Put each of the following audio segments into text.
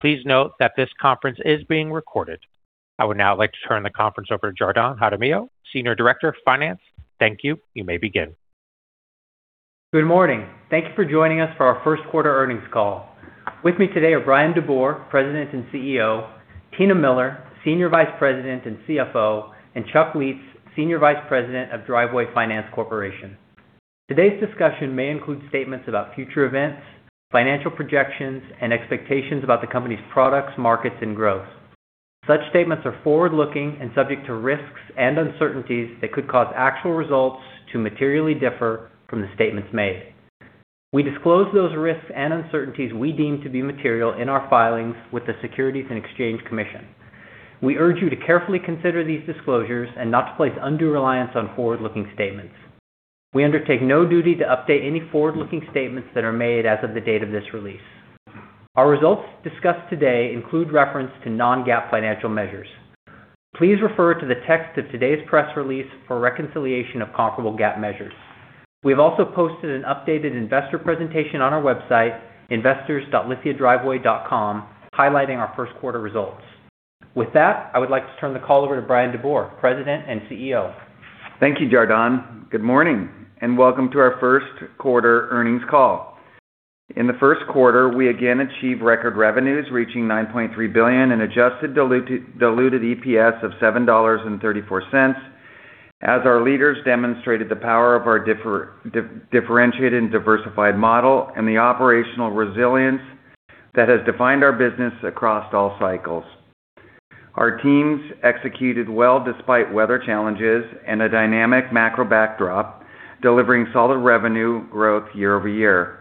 Please note that this conference is being recorded. I would now like to turn the conference over to Jordan Jaramillo, Senior Director of Finance. Thank you. You may begin. Good morning. Thank you for joining us for our first quarter earnings call. With me today are Bryan DeBoer, President and CEO, Tina Miller, Senior Vice President and CFO, and Chuck Lietz, Senior Vice President of Driveway Finance Corporation. Today's discussion may include statements about future events, financial projections, and expectations about the company's products, markets, and growth. Such statements are forward-looking and subject to risks and uncertainties that could cause actual results to materially differ from the statements made. We disclose those risks and uncertainties we deem to be material in our filings with the Securities and Exchange Commission. We urge you to carefully consider these disclosures and not to place undue reliance on forward-looking statements. We undertake no duty to update any forward-looking statements that are made as of the date of this release. Our results discussed today include reference to non-GAAP financial measures. Please refer to the text of today's press release for a reconciliation of comparable GAAP measures. We have also posted an updated investor presentation on our website, investors.lithiadriveway.com, highlighting our first quarter results. With that, I would like to turn the call over to Bryan DeBoer, President and CEO. Thank you, Jordan. Good morning, and welcome to our first quarter earnings call. In the first quarter, we again achieved record revenues reaching $9.3 billion and adjusted diluted EPS of $7.34 as our leaders demonstrated the power of our differentiated and diversified model and the operational resilience that has defined our business across all cycles. Our teams executed well despite weather challenges and a dynamic macro backdrop, delivering solid revenue growth year-over-year.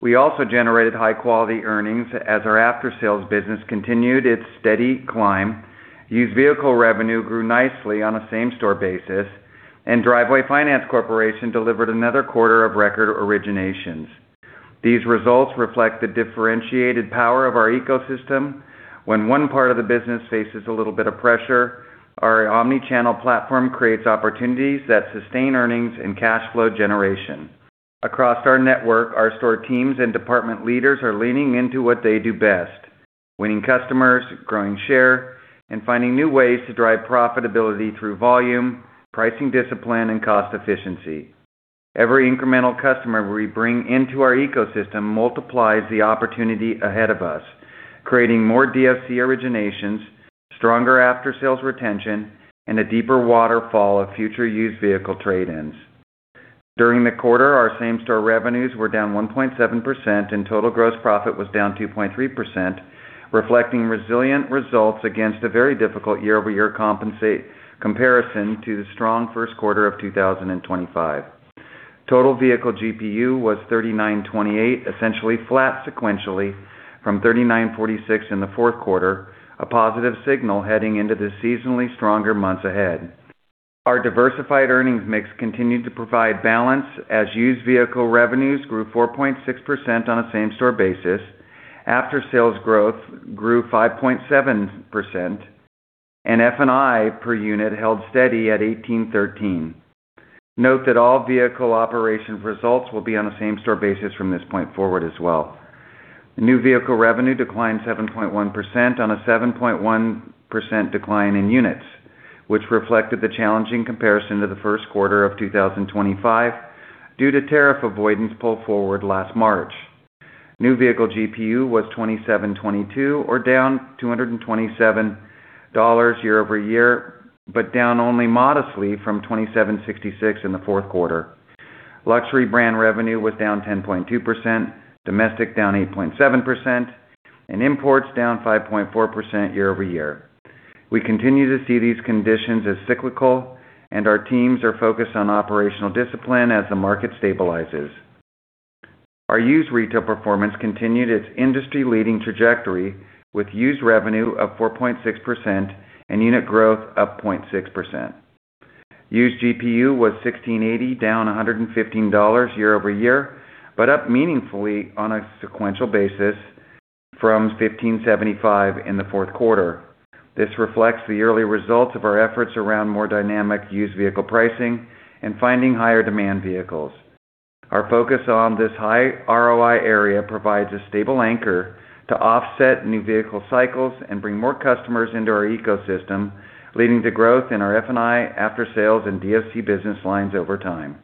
We also generated high-quality earnings as our after-sales business continued its steady climb. Used vehicle revenue grew nicely on a same-store basis, and Driveway Finance Corporation delivered another quarter of record originations. These results reflect the differentiated power of our ecosystem. When one part of the business faces a little bit of pressure, our omni-channel platform creates opportunities that sustain earnings and cash flow generation. Across our network, our store teams and department leaders are leaning into what they do best, winning customers, growing share, and finding new ways to drive profitability through volume, pricing discipline, and cost efficiency. Every incremental customer we bring into our ecosystem multiplies the opportunity ahead of us, creating more DFC originations, stronger after-sales retention, and a deeper waterfall of future used vehicle trade-ins. During the quarter, our same-store revenues were down 1.7% and total gross profit was down 2.3%, reflecting resilient results against a very difficult year-over-year comparison to the strong first quarter of 2025. Total vehicle GPU was $3,928, essentially flat sequentially from $3,946 in the fourth quarter, a positive signal heading into the seasonally stronger months ahead. Our diversified earnings mix continued to provide balance as used vehicle revenues grew 4.6% on a same-store basis. After-sales growth grew 5.7%, F&I per unit held steady at $1,813. Note that all vehicle operation results will be on a same-store basis from this point forward as well. New vehicle revenue declined 7.1% on a 7.1% decline in units, which reflected the challenging comparison to the first quarter of 2025 due to tariff avoidance pull forward last March. New vehicle GPU was $2,722 or down $227 year-over-year, down only modestly from $2,766 in the fourth quarter. Luxury brand revenue was down 10.2%, domestic down 8.7%, imports down 5.4% year-over-year. We continue to see these conditions as cyclical, and our teams are focused on operational discipline as the market stabilizes. Our used retail performance continued its industry-leading trajectory with used revenue up 4.6% and unit growth up 0.6%. Used GPU was $1,680, down $115 year-over-year, but up meaningfully on a sequential basis from $1,575 in the fourth quarter. This reflects the early results of our efforts around more dynamic used vehicle pricing and finding higher demand vehicles. Our focus on this high ROI area provides a stable anchor to offset new vehicle cycles and bring more customers into our ecosystem, leading to growth in our F&I after sales and DFC business lines over time.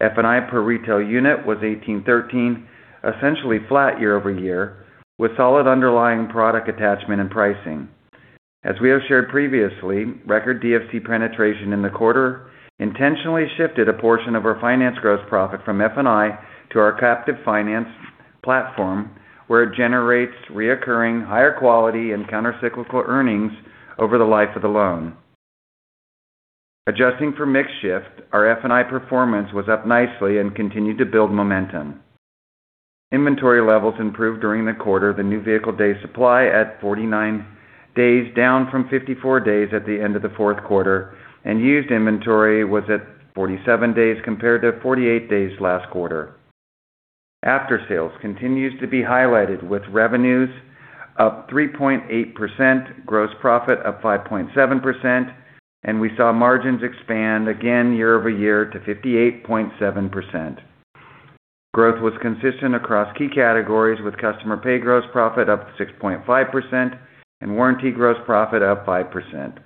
F&I per retail unit was $1,813, essentially flat year-over-year, with solid underlying product attachment and pricing. As we have shared previously, record DFC penetration in the quarter intentionally shifted a portion of our finance gross profit from F&I to our captive finance platform, where it generates recurring higher quality and countercyclical earnings over the life of the loan. Adjusting for mix shift, our F&I performance was up nicely and continued to build momentum. Inventory levels improved during the quarter. The new vehicle day supply at 49 days, down from 54 days at the end of the fourth quarter and used inventory was at 47 days compared to 48 days last quarter. After-sales continues to be highlighted with revenues up 3.8%, gross profit up 5.7%, and we saw margins expand again year-over-year to 58.7%. Growth was consistent across key categories with customer pay gross profit up 6.5% and warranty gross profit up 5%.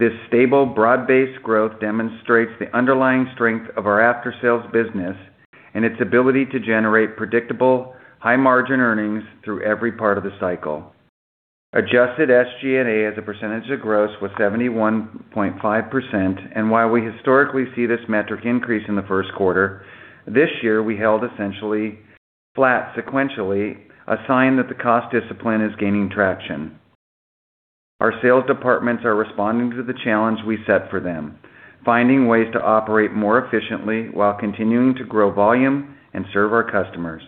This stable broad-based growth demonstrates the underlying strength of our after-sales business and its ability to generate predictable high-margin earnings through every part of the cycle. Adjusted SG&A as a percentage of gross was 71.5%. While we historically see this metric increase in the first quarter, this year, we held essentially flat sequentially, a sign that the cost discipline is gaining traction. Our sales departments are responding to the challenge we set for them, finding ways to operate more efficiently while continuing to grow volume and serve our customers.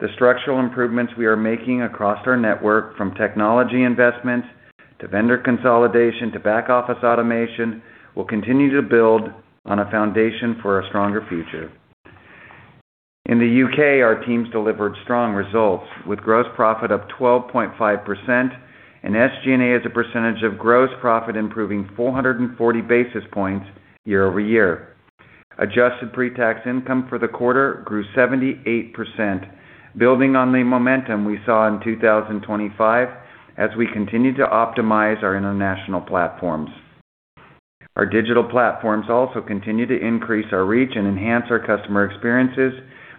The structural improvements we are making across our network from technology investments to vendor consolidation to back-office automation will continue to build on a foundation for a stronger future. In the U.K., our teams delivered strong results with gross profit up 12.5% and SG&A as a percentage of gross profit improving 440 basis points year-over-year. Adjusted pre-tax income for the quarter grew 78%, building on the momentum we saw in 2025 as we continue to optimize our international platforms. Our digital platforms also continue to increase our reach and enhance our customer experiences,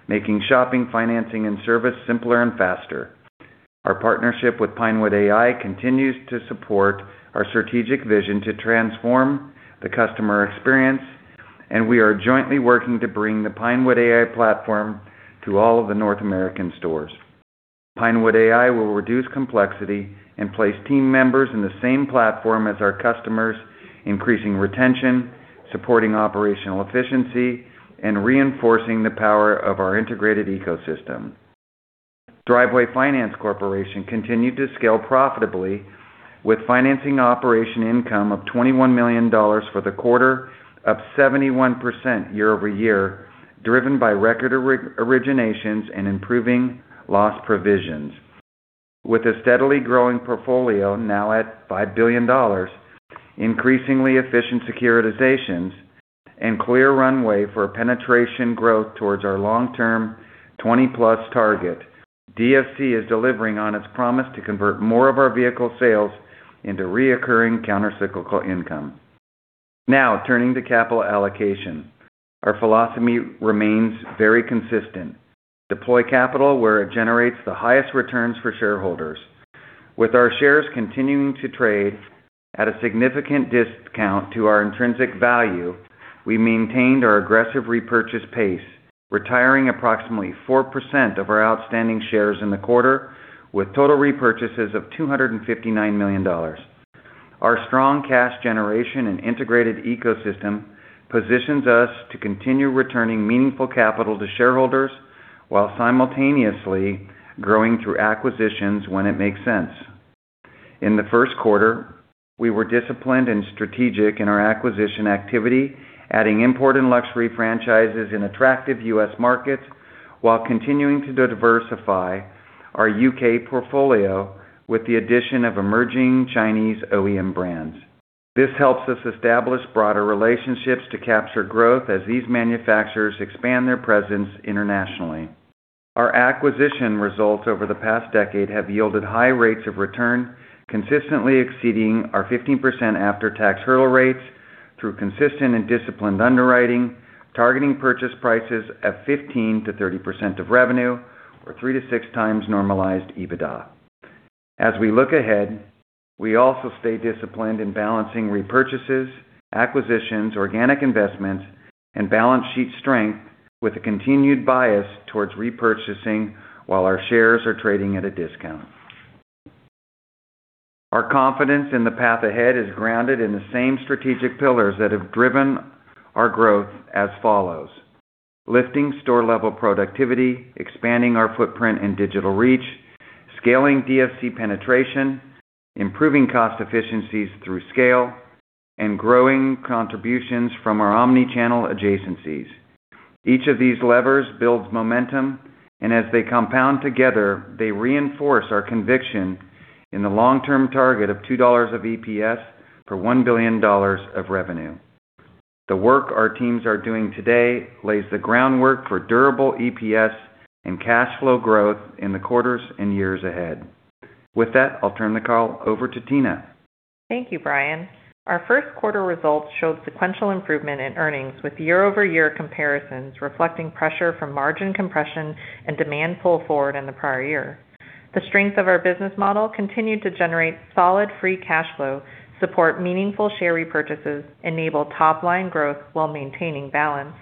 making shopping, financing, and service simpler and faster. Our partnership with Pinewood.AI continues to support our strategic vision to transform the customer experience, and we are jointly working to bring the Pinewood.AI platform to all of the North American stores. Pinewood.AI will reduce complexity and place team members in the same platform as our customers, increasing retention, supporting operational efficiency, and reinforcing the power of our integrated ecosystem. Driveway Finance Corporation continued to scale profitably with financing operation income of $21 million for the quarter, up 71% year-over-year, driven by record originations and improving loss provisions. With a steadily growing portfolio now at $5 billion, increasingly efficient securitizations, and clear runway for penetration growth towards our long-term 20-plus target, DFC is delivering on its promise to convert more of our vehicle sales into reoccurring countercyclical income. Now turning to capital allocation. Our philosophy remains very consistent. Deploy capital where it generates the highest returns for shareholders. With our shares continuing to trade at a significant discount to our intrinsic value, we maintained our aggressive repurchase pace, retiring approximately 4% of our outstanding shares in the quarter, with total repurchases of $259 million. Our strong cash generation and integrated ecosystem positions us to continue returning meaningful capital to shareholders while simultaneously growing through acquisitions when it makes sense. In the first quarter, we were disciplined and strategic in our acquisition activity, adding import and luxury franchises in attractive U.S. markets while continuing to diversify our U.K. portfolio with the addition of emerging Chinese OEM brands. This helps us establish broader relationships to capture growth as these manufacturers expand their presence internationally. Our acquisition results over the past decade have yielded high rates of return, consistently exceeding our 15% after-tax hurdle rates through consistent and disciplined underwriting, targeting purchase prices at 15%-30% of revenue or 3x-6x normalized EBITDA. As we look ahead, we also stay disciplined in balancing repurchases, acquisitions, organic investments, and balance sheet strength with a continued bias towards repurchasing while our shares are trading at a discount. Our confidence in the path ahead is grounded in the same strategic pillars that have driven our growth as follows: lifting store-level productivity, expanding our footprint and digital reach, scaling DFC penetration, improving cost efficiencies through scale, and growing contributions from our omni-channel adjacencies. Each of these levers builds momentum, and as they compound together, they reinforce our conviction in the long-term target of $2 of EPS for $1 billion of revenue. The work our teams are doing today lays the groundwork for durable EPS and cash flow growth in the quarters and years ahead. With that, I'll turn the call over to Tina. Thank you, Bryan. Our first quarter results showed sequential improvement in earnings with year-over-year comparisons reflecting pressure from margin compression and demand pull forward in the prior year. The strength of our business model continued to generate solid free cash flow, support meaningful share repurchases, enable top-line growth while maintaining balance.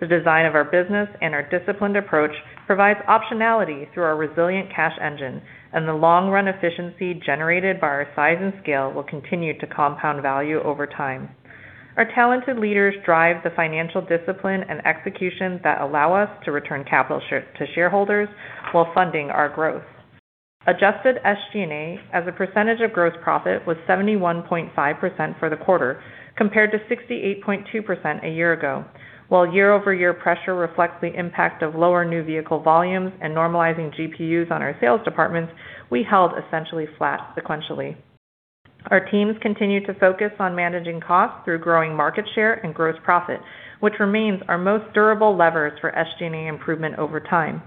The design of our business and our disciplined approach provides optionality through our resilient cash engine, and the long-run efficiency generated by our size and scale will continue to compound value over time. Our talented leaders drive the financial discipline and execution that allow us to return capital to shareholders while funding our growth. Adjusted SG&A as a percentage of gross profit was 71.5% for the quarter, compared to 68.2% a year ago. While year-over-year pressure reflects the impact of lower new vehicle volumes and normalizing GPUs on our sales departments, we held essentially flat sequentially. Our teams continue to focus on managing costs through growing market share and gross profit, which remains our most durable levers for SG&A improvement over time.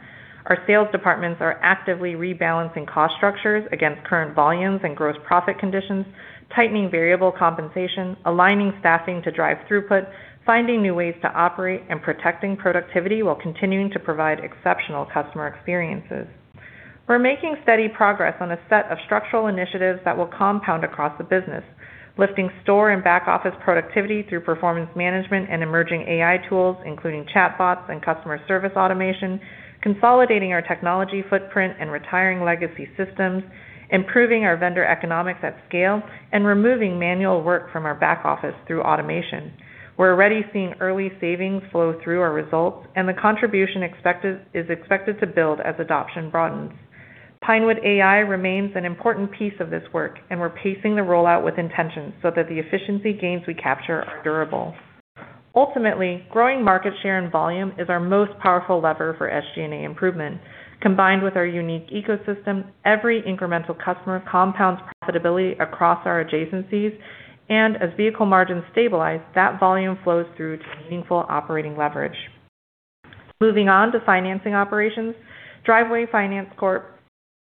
Our sales departments are actively rebalancing cost structures against current volumes and gross profit conditions, tightening variable compensation, aligning staffing to drive throughput, finding new ways to operate, and protecting productivity while continuing to provide exceptional customer experiences. We're making steady progress on a set of structural initiatives that will compound across the business, lifting store and back-office productivity through performance management and emerging AI tools, including chatbots and customer service automation, consolidating our technology footprint and retiring legacy systems, improving our vendor economics at scale, and removing manual work from our back office through automation. We're already seeing early savings flow through our results. The contribution is expected to build as adoption broadens. Pinewood.AI remains an important piece of this work. We're pacing the rollout with intention so that the efficiency gains we capture are durable. Ultimately, growing market share and volume is our most powerful lever for SG&A improvement. Combined with our unique ecosystem, every incremental customer compounds profitability across our adjacencies. As vehicle margins stabilize, that volume flows through to meaningful operating leverage. Moving on to financing operations. Driveway Finance Corp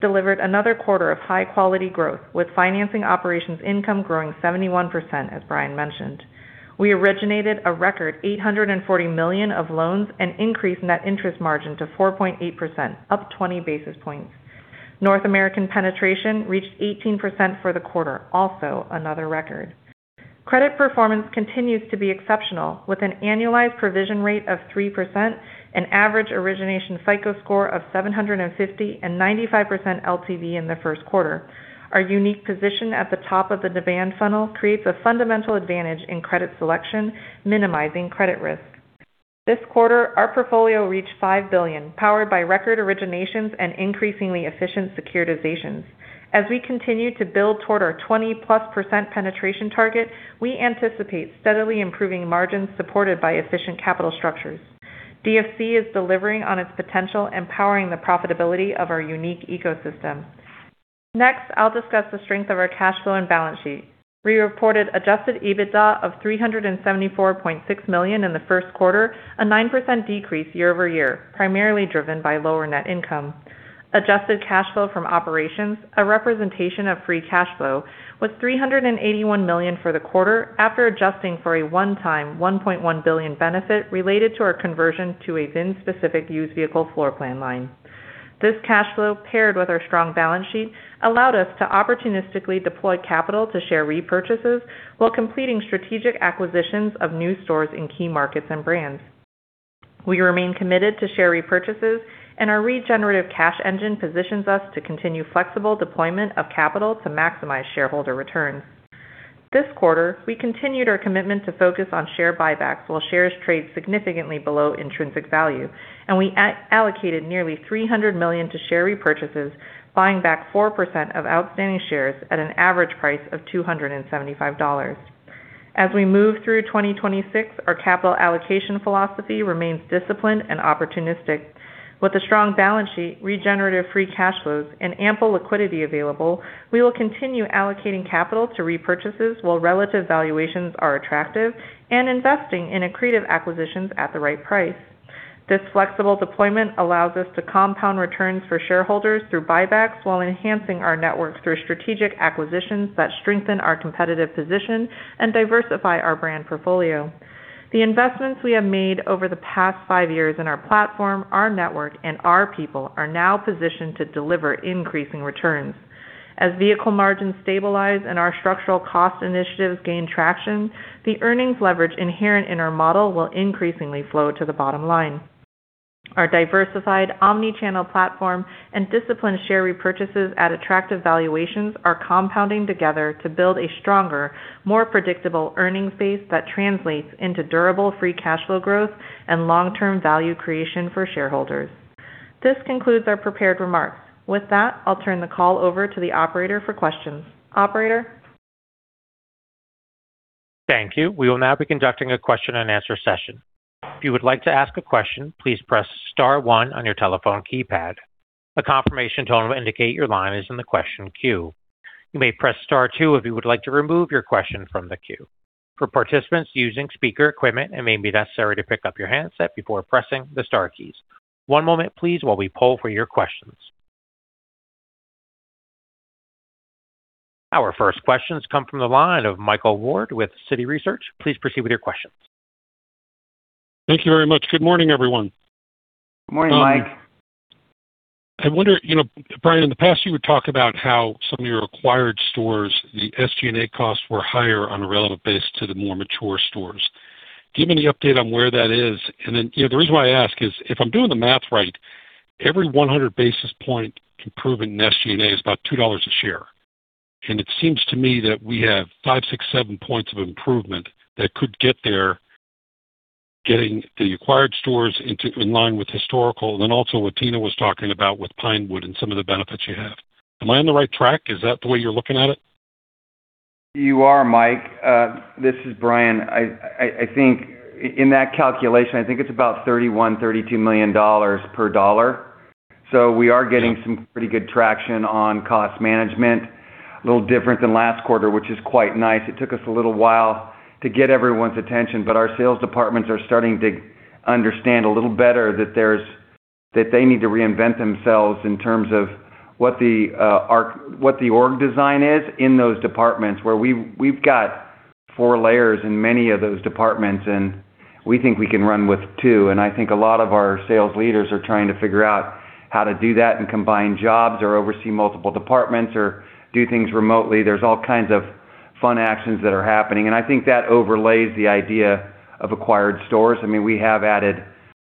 delivered another quarter of high-quality growth, with financing operations income growing 71%, as Bryan mentioned. We originated a record $840 million of loans and increased net interest margin to 4.8%, up 20 basis points. North American penetration reached 18% for the quarter, also another record. Credit performance continues to be exceptional, with an annualized provision rate of 3%, an average origination FICO score of 750, and 95% LTV in the first quarter. Our unique position at the top of the demand funnel creates a fundamental advantage in credit selection, minimizing credit risk. This quarter, our portfolio reached $5 billion, powered by record originations and increasingly efficient securitizations. As we continue to build toward our 20%+ penetration target, we anticipate steadily improving margins supported by efficient capital structures. DFC is delivering on its potential and powering the profitability of our unique ecosystem. Next, I'll discuss the strength of our cash flow and balance sheet. We reported adjusted EBITDA of $374.6 million in the first quarter, a 9% decrease year-over-year, primarily driven by lower net income. Adjusted cash flow from operations, a representation of free cash flow, was $381 million for the quarter after adjusting for a one-time $1.1 billion benefit related to our conversion to a VIN-specific used vehicle floor plan line. This cash flow, paired with our strong balance sheet, allowed us to opportunistically deploy capital to share repurchases while completing strategic acquisitions of new stores in key markets and brands. We remain committed to share repurchases, and our regenerative cash engine positions us to continue flexible deployment of capital to maximize shareholder returns. This quarter, we continued our commitment to focus on share buybacks while shares trade significantly below intrinsic value, and we allocated nearly $300 million to share repurchases, buying back 4% of outstanding shares at an average price of $275. As we move through 2026, our capital allocation philosophy remains disciplined and opportunistic. With a strong balance sheet, regenerative free cash flows, and ample liquidity available, we will continue allocating capital to repurchases while relative valuations are attractive and investing in accretive acquisitions at the right price. This flexible deployment allows us to compound returns for shareholders through buybacks while enhancing our networks through strategic acquisitions that strengthen our competitive position and diversify our brand portfolio. The investments we have made over the past five years in our platform, our network, and our people are now positioned to deliver increasing returns. As vehicle margins stabilize and our structural cost initiatives gain traction, the earnings leverage inherent in our model will increasingly flow to the bottom line. Our diversified omni-channel platform and disciplined share repurchases at attractive valuations are compounding together to build a stronger, more predictable earnings base that translates into durable free cash flow growth and long-term value creation for shareholders. This concludes our prepared remarks. With that, I'll turn the call over to the operator for questions. Operator? Thank you. We will now be conducting a question-and-answer session. One moment, please, while we poll for your questions. Our first questions come from the line of Michael Ward with Citi Research. Please proceed with your questions. Thank you very much. Good morning, everyone. Good morning, Mike. I wonder, you know, Bryan DeBoer, in the past, you would talk about how some of your acquired stores, the SG&A costs were higher on a relative basis to the more mature stores. Do you have any update on where that is? You know, the reason why I ask is, if I'm doing the math right, every 100 basis point improvement in SG&A is about $2 a share. It seems to me that we have 5, 6, 7 points of improvement that could get there, getting the acquired stores in line with historical, and then also what Tina Miller was talking about with Pinewood.AI and some of the benefits you have. Am I on the right track? Is that the way you're looking at it? You are, Mike. This is Bryan. I think in that calculation, I think it's about $31 million-$32 million per dollar. We are getting some pretty good traction on cost management. A little different than last quarter, which is quite nice. It took us a little while to get everyone's attention, our sales departments are starting to understand a little better that they need to reinvent themselves in terms of what the org design is in those departments, where we've got four layers in many of those departments, and we think we can run with two. I think a lot of our sales leaders are trying to figure out how to do that and combine jobs or oversee multiple departments or do things remotely. There's all kinds of fun actions that are happening, I think that overlays the idea of acquired stores. I mean, we have added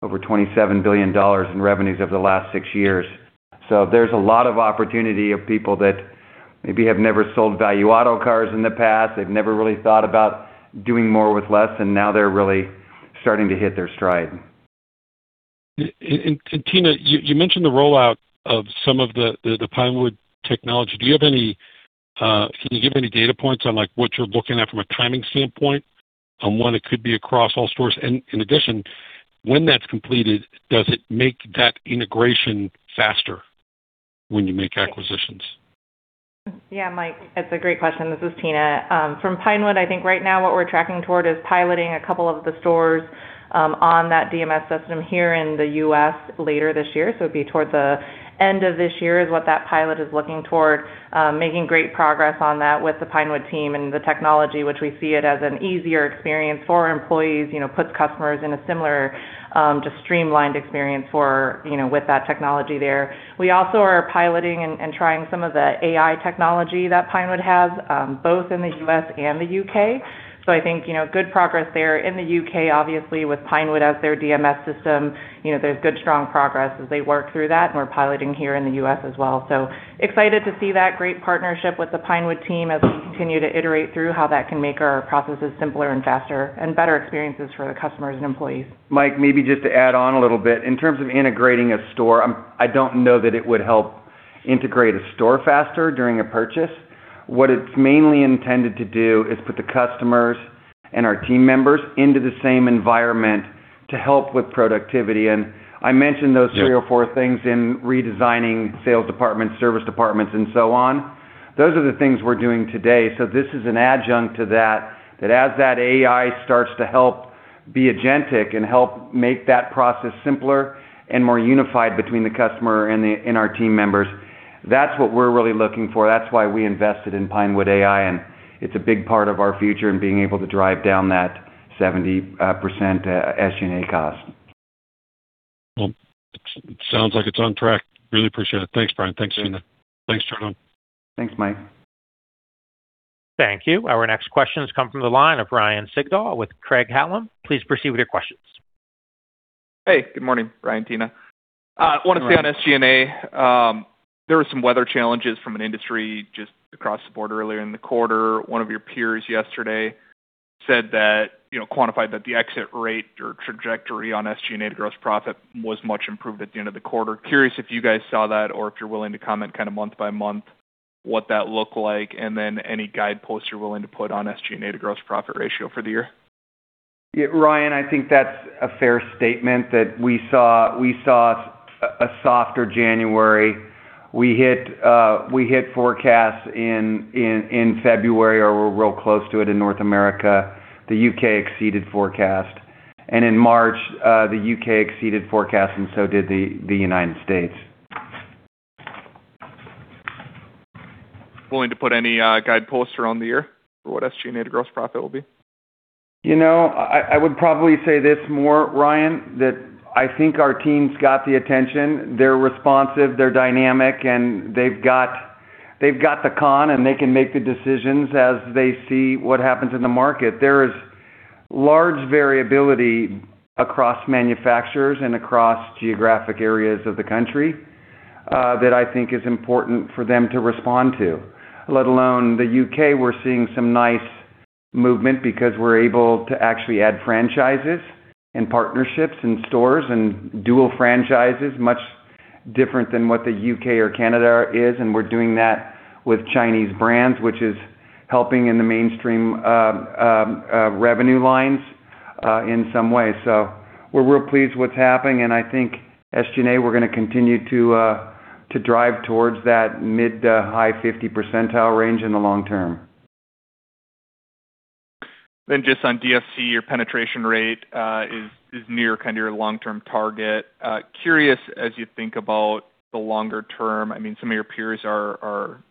over $27 billion in revenues over the last six years. There's a lot of opportunity of people that maybe have never sold ValueAuto cars in the past. They've never really thought about doing more with less, and now they're really starting to hit their stride. Tina, you mentioned the rollout of some of the Pinewood technology. Can you give any data points on, like, what you're looking at from a timing standpoint on when it could be across all stores? In addition, when that's completed, does it make that integration faster when you make acquisitions? Yeah, Mike, that's a great question. This is Tina. From Pinewood, I think right now what we're tracking toward is piloting a couple of the stores on that DMS system here in the U.S. later this year. It'd be towards the end of this year is what that pilot is looking toward. Making great progress on that with the Pinewood team and the technology, which we see it as an easier experience for our employees. You know, puts customers in a similar, just streamlined experience for, you know, with that technology there. We also are piloting and trying some of the AI technology that Pinewood has both in the U.S. and the U.K. I think, you know, good progress there. In the U.K., obviously, with Pinewood as their DMS system, you know, there's good, strong progress as they work through that, and we're piloting here in the U.S. as well. Excited to see that great partnership with the Pinewood team as we continue to iterate through how that can make our processes simpler and faster and better experiences for the customers and employees. Mike, maybe just to add on a little bit. In terms of integrating a store, I don't know that it would help integrate a store faster during a purchase. What it's mainly intended to do is put the customers and our team members into the same environment to help with productivity. I mentioned those- Yeah... three or four things in redesigning sales departments, service departments, and so on. Those are the things we're doing today. This is an adjunct to that as that AI starts to help be agentic and help make that process simpler and more unified between the customer and the, and our team members, that's what we're really looking for. That's why we invested in Pinewood.AI, and it's a big part of our future in being able to drive down that 70% SG&A cost. Well, it sounds like it's on track. Really appreciate it. Thanks, Bryan. Thanks, Tina. Thanks, Chuck. Thanks, Mike. Thank you. Our next question has come from the line of Ryan Sigdahl with Craig-Hallum. Please proceed with your questions. Hey, good morning, Bryan, Tina. Good morning. I wanna stay on SG&A. There were some weather challenges from an industry just across the board earlier in the quarter. One of your peers yesterday said that, you know, quantified that the exit rate or trajectory on SG&A to gross profit was much improved at the end of the quarter. Curious if you guys saw that or if you're willing to comment kinda month by month what that looked like, and then any guideposts you're willing to put on SG&A to gross profit ratio for the year? Ryan, I think that's a fair statement that we saw a softer January. We hit forecasts in February, or we're real close to it in North America. The U.K. exceeded forecast. In March, the U.K. exceeded forecast and so did the United States. Willing to put any guideposts around the year for what SG&A to gross profit will be? You know, I would probably say this more, Ryan, that I think our team's got the attention. They're responsive, they're dynamic, and they've got the con, and they can make the decisions as they see what happens in the market. There is large variability across manufacturers and across geographic areas of the country that I think is important for them to respond to. Let alone the U.K., we're seeing some nice movement because we're able to actually add franchises and partnerships and stores and dual franchises, much different than what the U.K. or Canada is, and we're doing that with Chinese brands, which is helping in the mainstream revenue lines in some ways. We're real pleased what's happening, and I think SG&A, we're gonna continue to drive towards that mid to high 50 percentile range in the long term. Just on DFC, your penetration rate is kind of your long-term target. Curious, as you think about the longer term, I mean, some of your peers are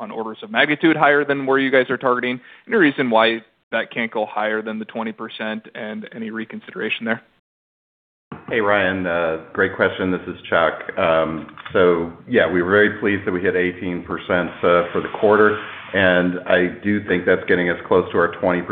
on orders of magnitude higher than where you guys are targeting. Any reason why that can't go higher than the 20%, and any reconsideration there? Hey, Ryan. Great question. This is Chuck. Yeah, we're very pleased that we hit 18% for the quarter. I do think that's getting us close to our 20%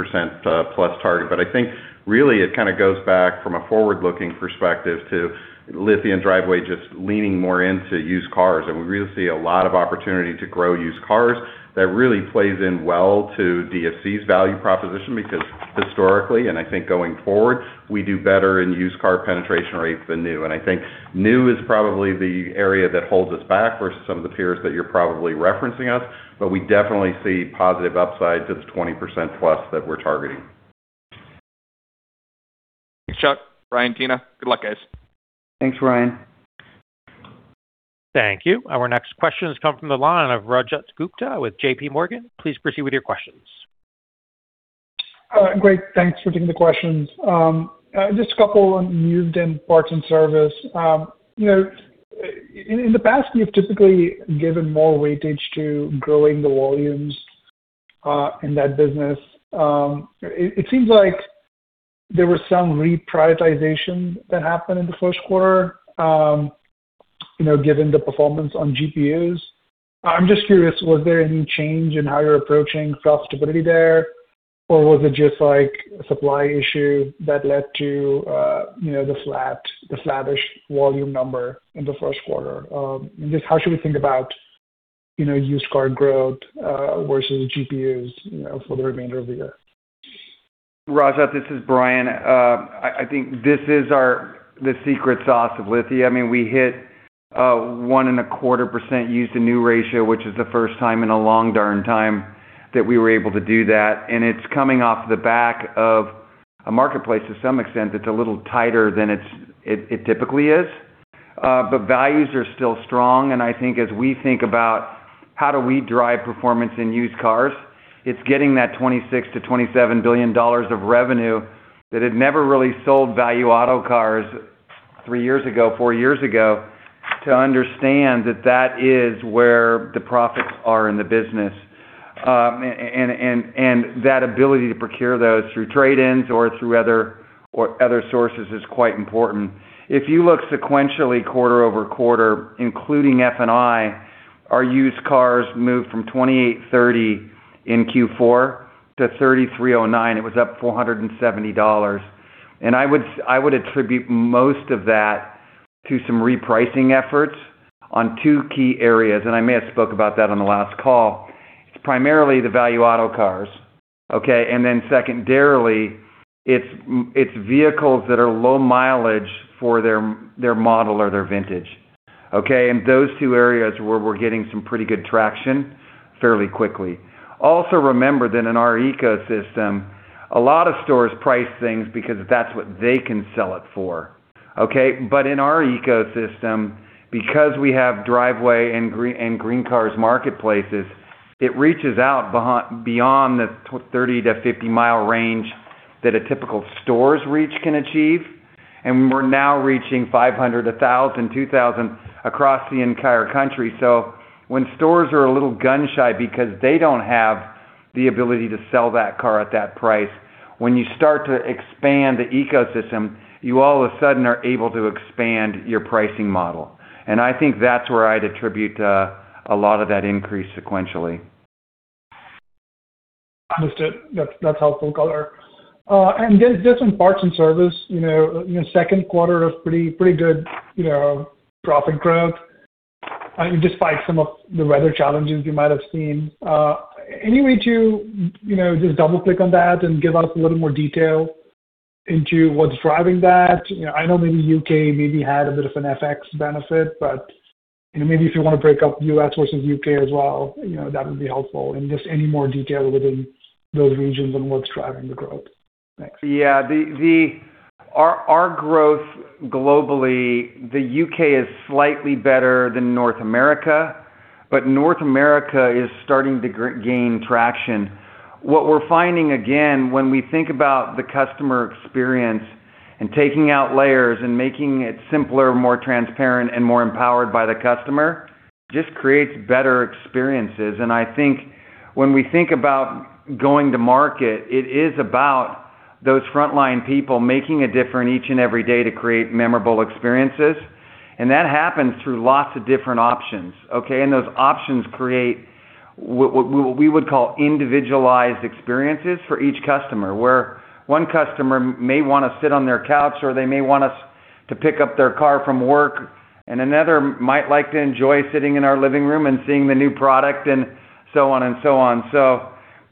plus target. I think really it kinda goes back from a forward-looking perspective to Lithia and Driveway just leaning more into used cars. We really see a lot of opportunity to grow used cars. That really plays in well to DFC's value proposition because historically. I think going forward, we do better in used car penetration rates than new. I think new is probably the area that holds us back versus some of the peers that you're probably referencing us. We definitely see positive upsides of 20% plus that we're targeting. Thanks, Chuck. Bryan, Tina, good luck, guys. Thanks, Ryan. Thank you. Our next question has come from the line of Rajat Gupta with J.P. Morgan. Please proceed with your questions. Great. Thanks for taking the questions. Just a couple on used and parts and service. You know, in the past, you've typically given more weightage to growing the volumes in that business. It seems like there was some reprioritization that happened in the first quarter, you know, given the performance on GPUs. I'm just curious, was there any change in how you're approaching profitability there, or was it just like a supply issue that led to, you know, the flattish volume number in the first quarter? Just how should we think about, you know, used car growth versus GPUs, you know, for the remainder of the year? Rajat, this is Bryan. I think this is our, the secret sauce of Lithia. I mean, we hit 1.25% used to new ratio, which is the first time in a long darn time that we were able to do that, and it's coming off the back of a marketplace. To some extent, it's a little tighter than it typically is. But values are still strong, and I think as we think about how do we drive performance in used cars, it's getting that $26 billion-$27 billion of revenue that had never really sold ValueAuto cars three years ago, four years ago, to understand that that is where the profits are in the business. And that ability to procure those through trade-ins or through other sources is quite important. If you look sequentially quarter-over-quarter, including F&I, our used cars moved from 2,830 in Q4 to 3,309. It was up $470. I would attribute most of that to some repricing efforts on two key areas, and I may have spoke about that on the last call. It's primarily the ValueAuto cars, okay? Then secondarily, it's vehicles that are low mileage for their model or their vintage, okay? Those two areas where we're getting some pretty good traction fairly quickly. Also remember that in our ecosystem, a lot of stores price things because that's what they can sell it for, okay? In our ecosystem, because we have Driveway and GreenCars marketplaces, it reaches out beyond the 30 to 50-mile range that a typical store's reach can achieve, and we're now reaching 500, 1,000, 2,000 across the entire country. When stores are a little gun-shy because they don't have the ability to sell that car at that price, when you start to expand the ecosystem, you all of a sudden are able to expand your pricing model. I think that's where I'd attribute a lot of that increase sequentially. Understood. That's helpful color. Then just on parts and service, you know, second quarter of pretty good, you know, profit growth despite some of the weather challenges you might have seen. Any way to, you know, just double-click on that and give us a little more detail into what's driving that? You know, I know maybe U.K. maybe had a bit of an FX benefit, you know, maybe if you want to break up U.S. versus U.K. as well, you know, that would be helpful. Just any more detail within those regions and what's driving the growth. Thanks. Yeah. Our growth globally, the U.K. is slightly better than North America, but North America is starting to gain traction. What we're finding, again, when we think about the customer experience and taking out layers and making it simpler, more transparent, and more empowered by the customer, just creates better experiences. I think when we think about going to market, it is about those frontline people making a difference each and every day to create memorable experiences, and that happens through lots of different options, okay? Those options create what we would call individualized experiences for each customer, where one customer may wanna sit on their couch or they may want us to pick up their car from work, and another might like to enjoy sitting in our living room and seeing the new product, and so on and so on.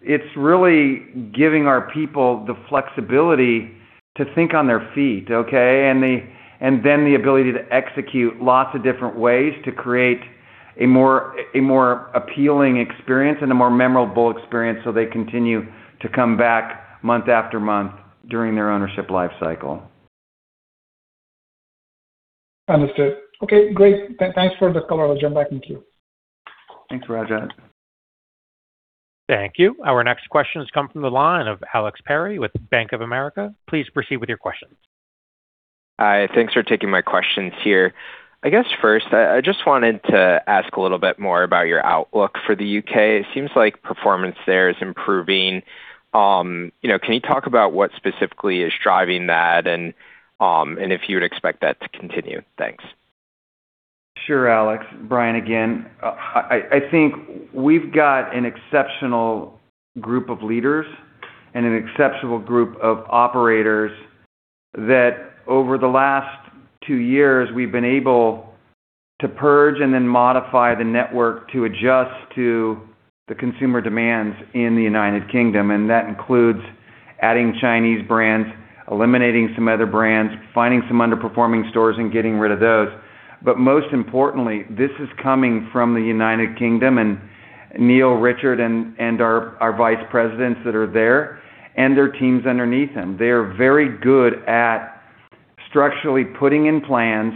It's really giving our people the flexibility to think on their feet, okay? Then the ability to execute lots of different ways to create a more, a more appealing experience and a more memorable experience so they continue to come back month after month during their ownership life cycle. Understood. Okay, great. Thanks for the color. I'll jump back in queue. Thanks, Rajat. Thank you. Our next question has come from the line of Alex Perry with Bank of America. Please proceed with your questions. Hi. Thanks for taking my questions here. I guess first, I just wanted to ask a little bit more about your outlook for the U.K. It seems like performance there is improving. You know, can you talk about what specifically is driving that and if you would expect that to continue? Thanks. Sure, Alex. Bryan again. I think we've got an exceptional group of leaders and an exceptional group of operators that over the last two years we've been able to purge and then modify the network to adjust to the consumer demands in the United Kingdom, and that includes adding Chinese brands, eliminating some other brands, finding some underperforming stores and getting rid of those. Most importantly, this is coming from the United Kingdom and Neil, Richard, and our vice presidents that are there, and their teams underneath them. They're very good at structurally putting in plans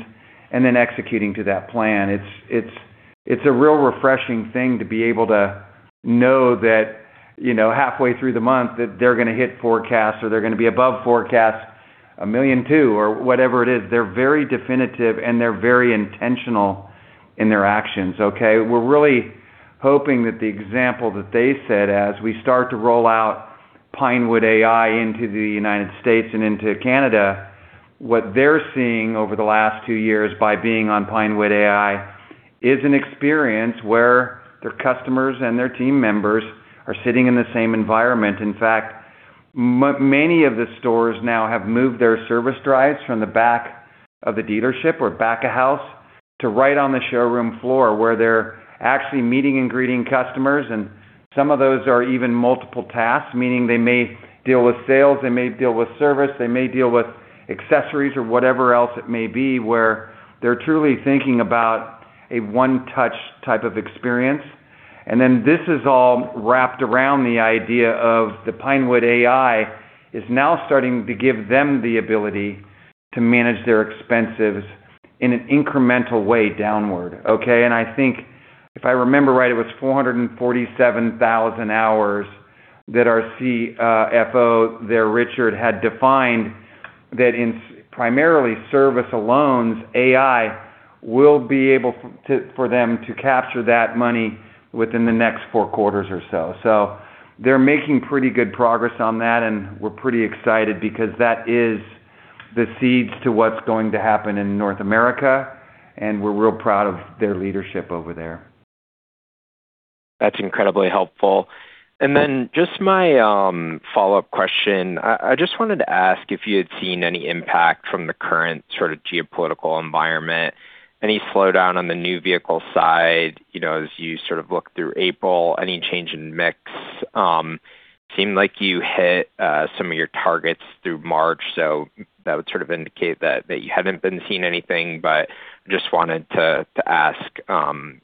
and then executing to that plan. It's a real refreshing thing to be able to know that, you know, halfway through the month, that they're gonna hit forecast or they're gonna be above forecast $1.2 million or whatever it is. They're very definitive, and they're very intentional in their actions, okay. We're really hoping that the example that they set as we start to roll out Pinewood.AI into the United States and into Canada, what they're seeing over the last two years by being on Pinewood.AI is an experience where their customers and their team members are sitting in the same environment. In fact, many of the stores now have moved their service drives from the back of the dealership or back of house to right on the showroom floor where they're actually meeting and greeting customers, and some of those are even multiple tasks, meaning they may deal with sales, they may deal with service, they may deal with accessories or whatever else it may be, where they're truly thinking about a one-touch type of experience. This is all wrapped around the idea of the Pinewood.AI is now starting to give them the ability to manage their expenses in an incremental way downward, okay? I think if I remember right, it was 447,000 hours that our CFO there, Richard, had defined that in primarily service alone, AI will be able for them to capture that money within the next four quarters or so. They're making pretty good progress on that, and we're pretty excited because that is the seeds to what's going to happen in North America, and we're real proud of their leadership over there. That's incredibly helpful. Then just my follow-up question. I just wanted to ask if you had seen any impact from the current sort of geopolitical environment. Any slowdown on the new vehicle side, you know, as you sort of look through April? Any change in mix? Seemed like you hit some of your targets through March, so that would sort of indicate that you haven't been seeing anything, but just wanted to ask,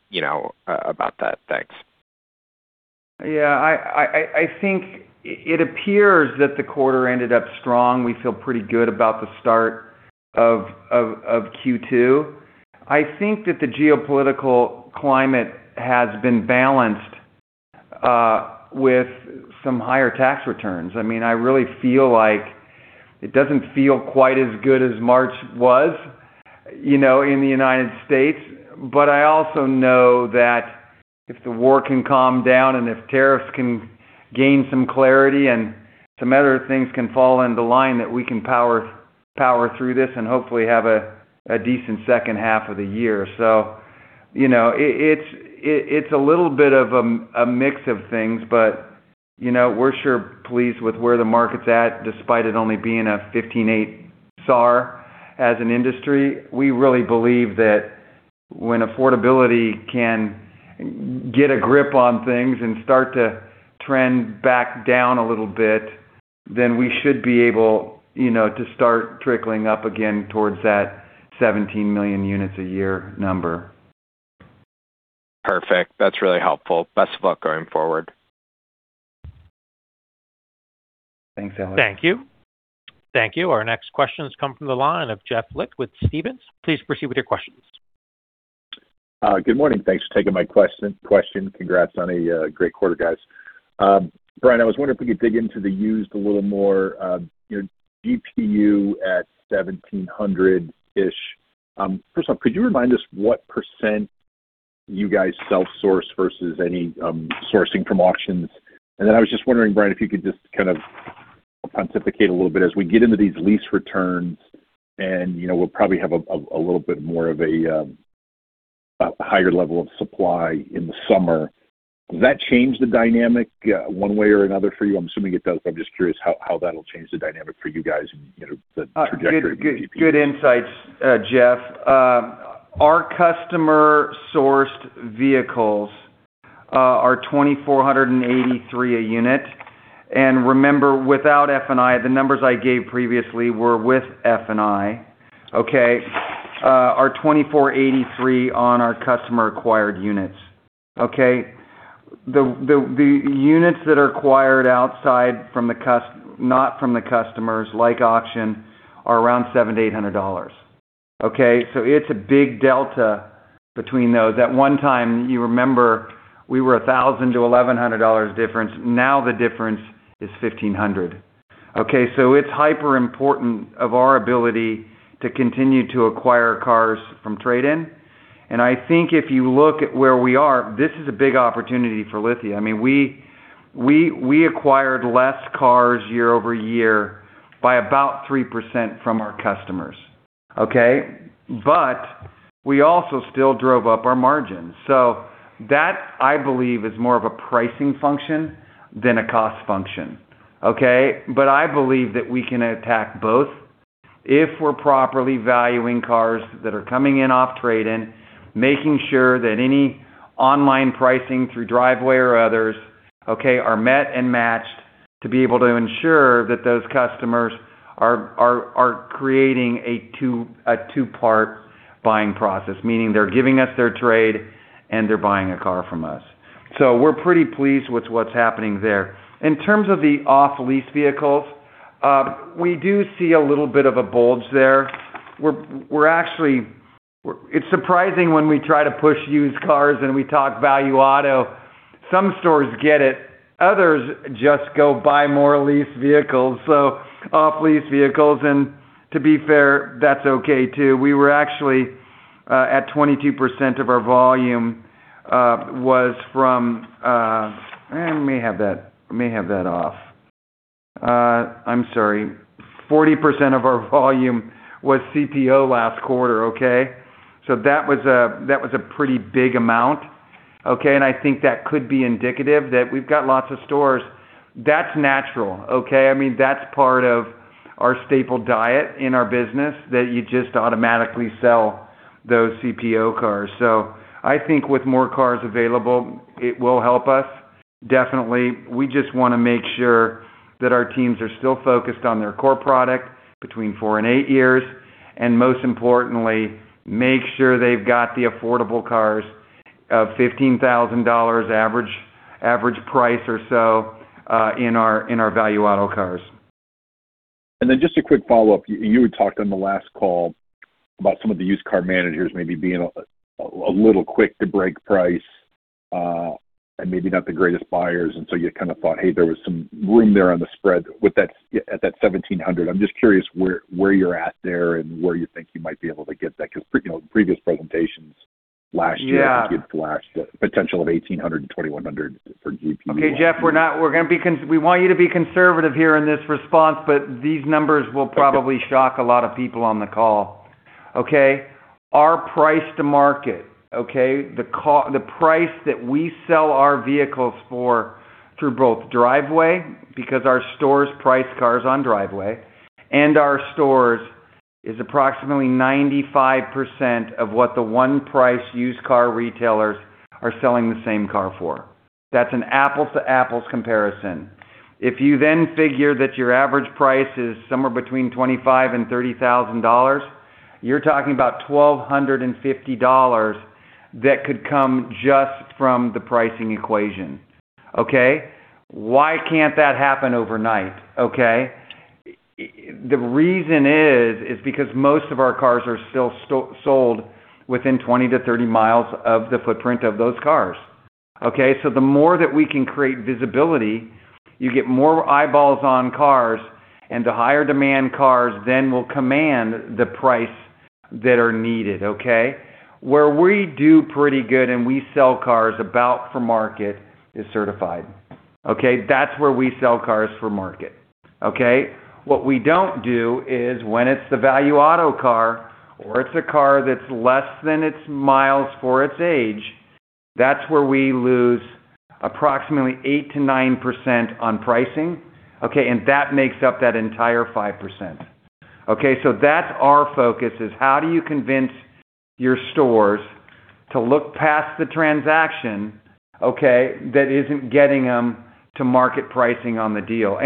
you know, about that. Thanks. Yeah. I think it appears that the quarter ended up strong. We feel pretty good about the start of Q2. I think that the geopolitical climate has been balanced with some higher tax returns. I mean, I really feel like it doesn't feel quite as good as March was, you know, in the United States, but I also know that if the war can calm down and if tariffs can gain some clarity and some other things can fall into line, that we can power through this and hopefully have a decent second half of the year. you know, it's a little bit of a mix of things, but, you know, we're sure pleased with where the market's at, despite it only being a 15.8 SAAR as an industry. We really believe that when affordability can get a grip on things and start to trend back down a little bit, then we should be able, you know, to start trickling up again towards that 17 million units a year number. Perfect. That's really helpful. Best of luck going forward. Thanks, Alex. Thank you. Thank you. Our next question has come from the line of Jeff Lick with Stephens. Please proceed with your questions. Good morning. Thanks for taking my question. Congrats on a great quarter, guys. Bryan, I was wondering if we could dig into the used a little more. Your GPU at $1,700-ish. First off, could you remind us what % you guys self-source versus any sourcing from auctions? Then I was just wondering, Bryan, if you could just kind of pontificate a little bit, as we get into these lease returns and, you know, we'll probably have a little bit more of a higher level of supply in the summer, does that change the dynamic one way or another for you? I'm assuming it does. I'm just curious how that'll change the dynamic for you guys and, you know, the trajectory of the GPU. Good, good insights, Jeff. Our customer-sourced vehicles are 2,483 a unit. Remember, without F&I, the numbers I gave previously were with F&I. Okay? are 2,483 on our customer-acquired units, okay? The units that are acquired outside from the customers, like auction, are around $700-$800, okay? It's a big delta between those. At one time, you remember, we were a $1,000-$1,100 difference. Now the difference is $1,500, okay? It's hyper important of our ability to continue to acquire cars from trade-in. I think if you look at where we are, this is a big opportunity for Lithia. I mean, we acquired less cars year-over-year by about 3% from our customers, okay? We also still drove up our margins. That, I believe, is more of a pricing function than a cost function, okay? I believe that we can attack both if we're properly valuing cars that are coming in off trade-in, making sure that any online pricing through Driveway or others, okay, are met and matched. To be able to ensure that those customers are creating a two, a two-part buying process, meaning they're giving us their trade and they're buying a car from us. We're pretty pleased with what's happening there. In terms of the off-lease vehicles, we do see a little bit of a bulge there. It's surprising when we try to push used cars and we talk ValueAuto. Some stores get it, others just go buy more lease vehicles. Off-lease vehicles, and to be fair, that's okay too. We were actually at 22% of our volume. We may have that, we may have that off. I'm sorry. 40% of our volume was CPO last quarter, okay? That was a pretty big amount, okay? I think that could be indicative that we've got lots of stores. That's natural, okay? I mean, that's part of our staple diet in our business, that you just automatically sell those CPO cars. I think with more cars available, it will help us, definitely. We just wanna make sure that our teams are still focused on their core product between four and eight years. Most importantly, make sure they've got the affordable cars of $15,000 average price or so, in our ValueAuto cars. Just a quick follow-up. You had talked on the last call about some of the used car managers maybe being a little quick to break price, and maybe not the greatest buyers. You kinda thought, "Hey, there was some room there on the spread with that at that $1,700." I'm just curious where you're at there and where you think you might be able to get that. Yeah give flash potential of 1,800 and 2,100 for GPU. Okay, Jeff, we want you to be conservative here in this response, these numbers will probably shock a lot of people on the call, okay? Our price to market, okay, the price that we sell our vehicles for through both Driveway, because our stores price cars on Driveway, and our stores, is approximately 95% of what the one price used car retailers are selling the same car for. That's an apples-to-apples comparison. If you figure that your average price is somewhere between $25,000 and $30,000, you're talking about $1,250 that could come just from the pricing equation, okay? Why can't that happen overnight, okay? The reason is because most of our cars are still sold within 20 to 30 miles of the footprint of those cars, okay? The more that we can create visibility, you get more eyeballs on cars, and the higher demand cars then will command the price that are needed, okay. Where we do pretty good and we sell cars about for market is Certified, okay. That's where we sell cars for market, okay. What we don't do is when it's the ValueAuto car or it's a car that's less than its miles for its age, that's where we lose approximately 8%-9% on pricing, okay. That makes up that entire 5%, okay. That's our focus, is how do you convince your stores to look past the transaction, okay, that isn't getting them to market pricing on the deal.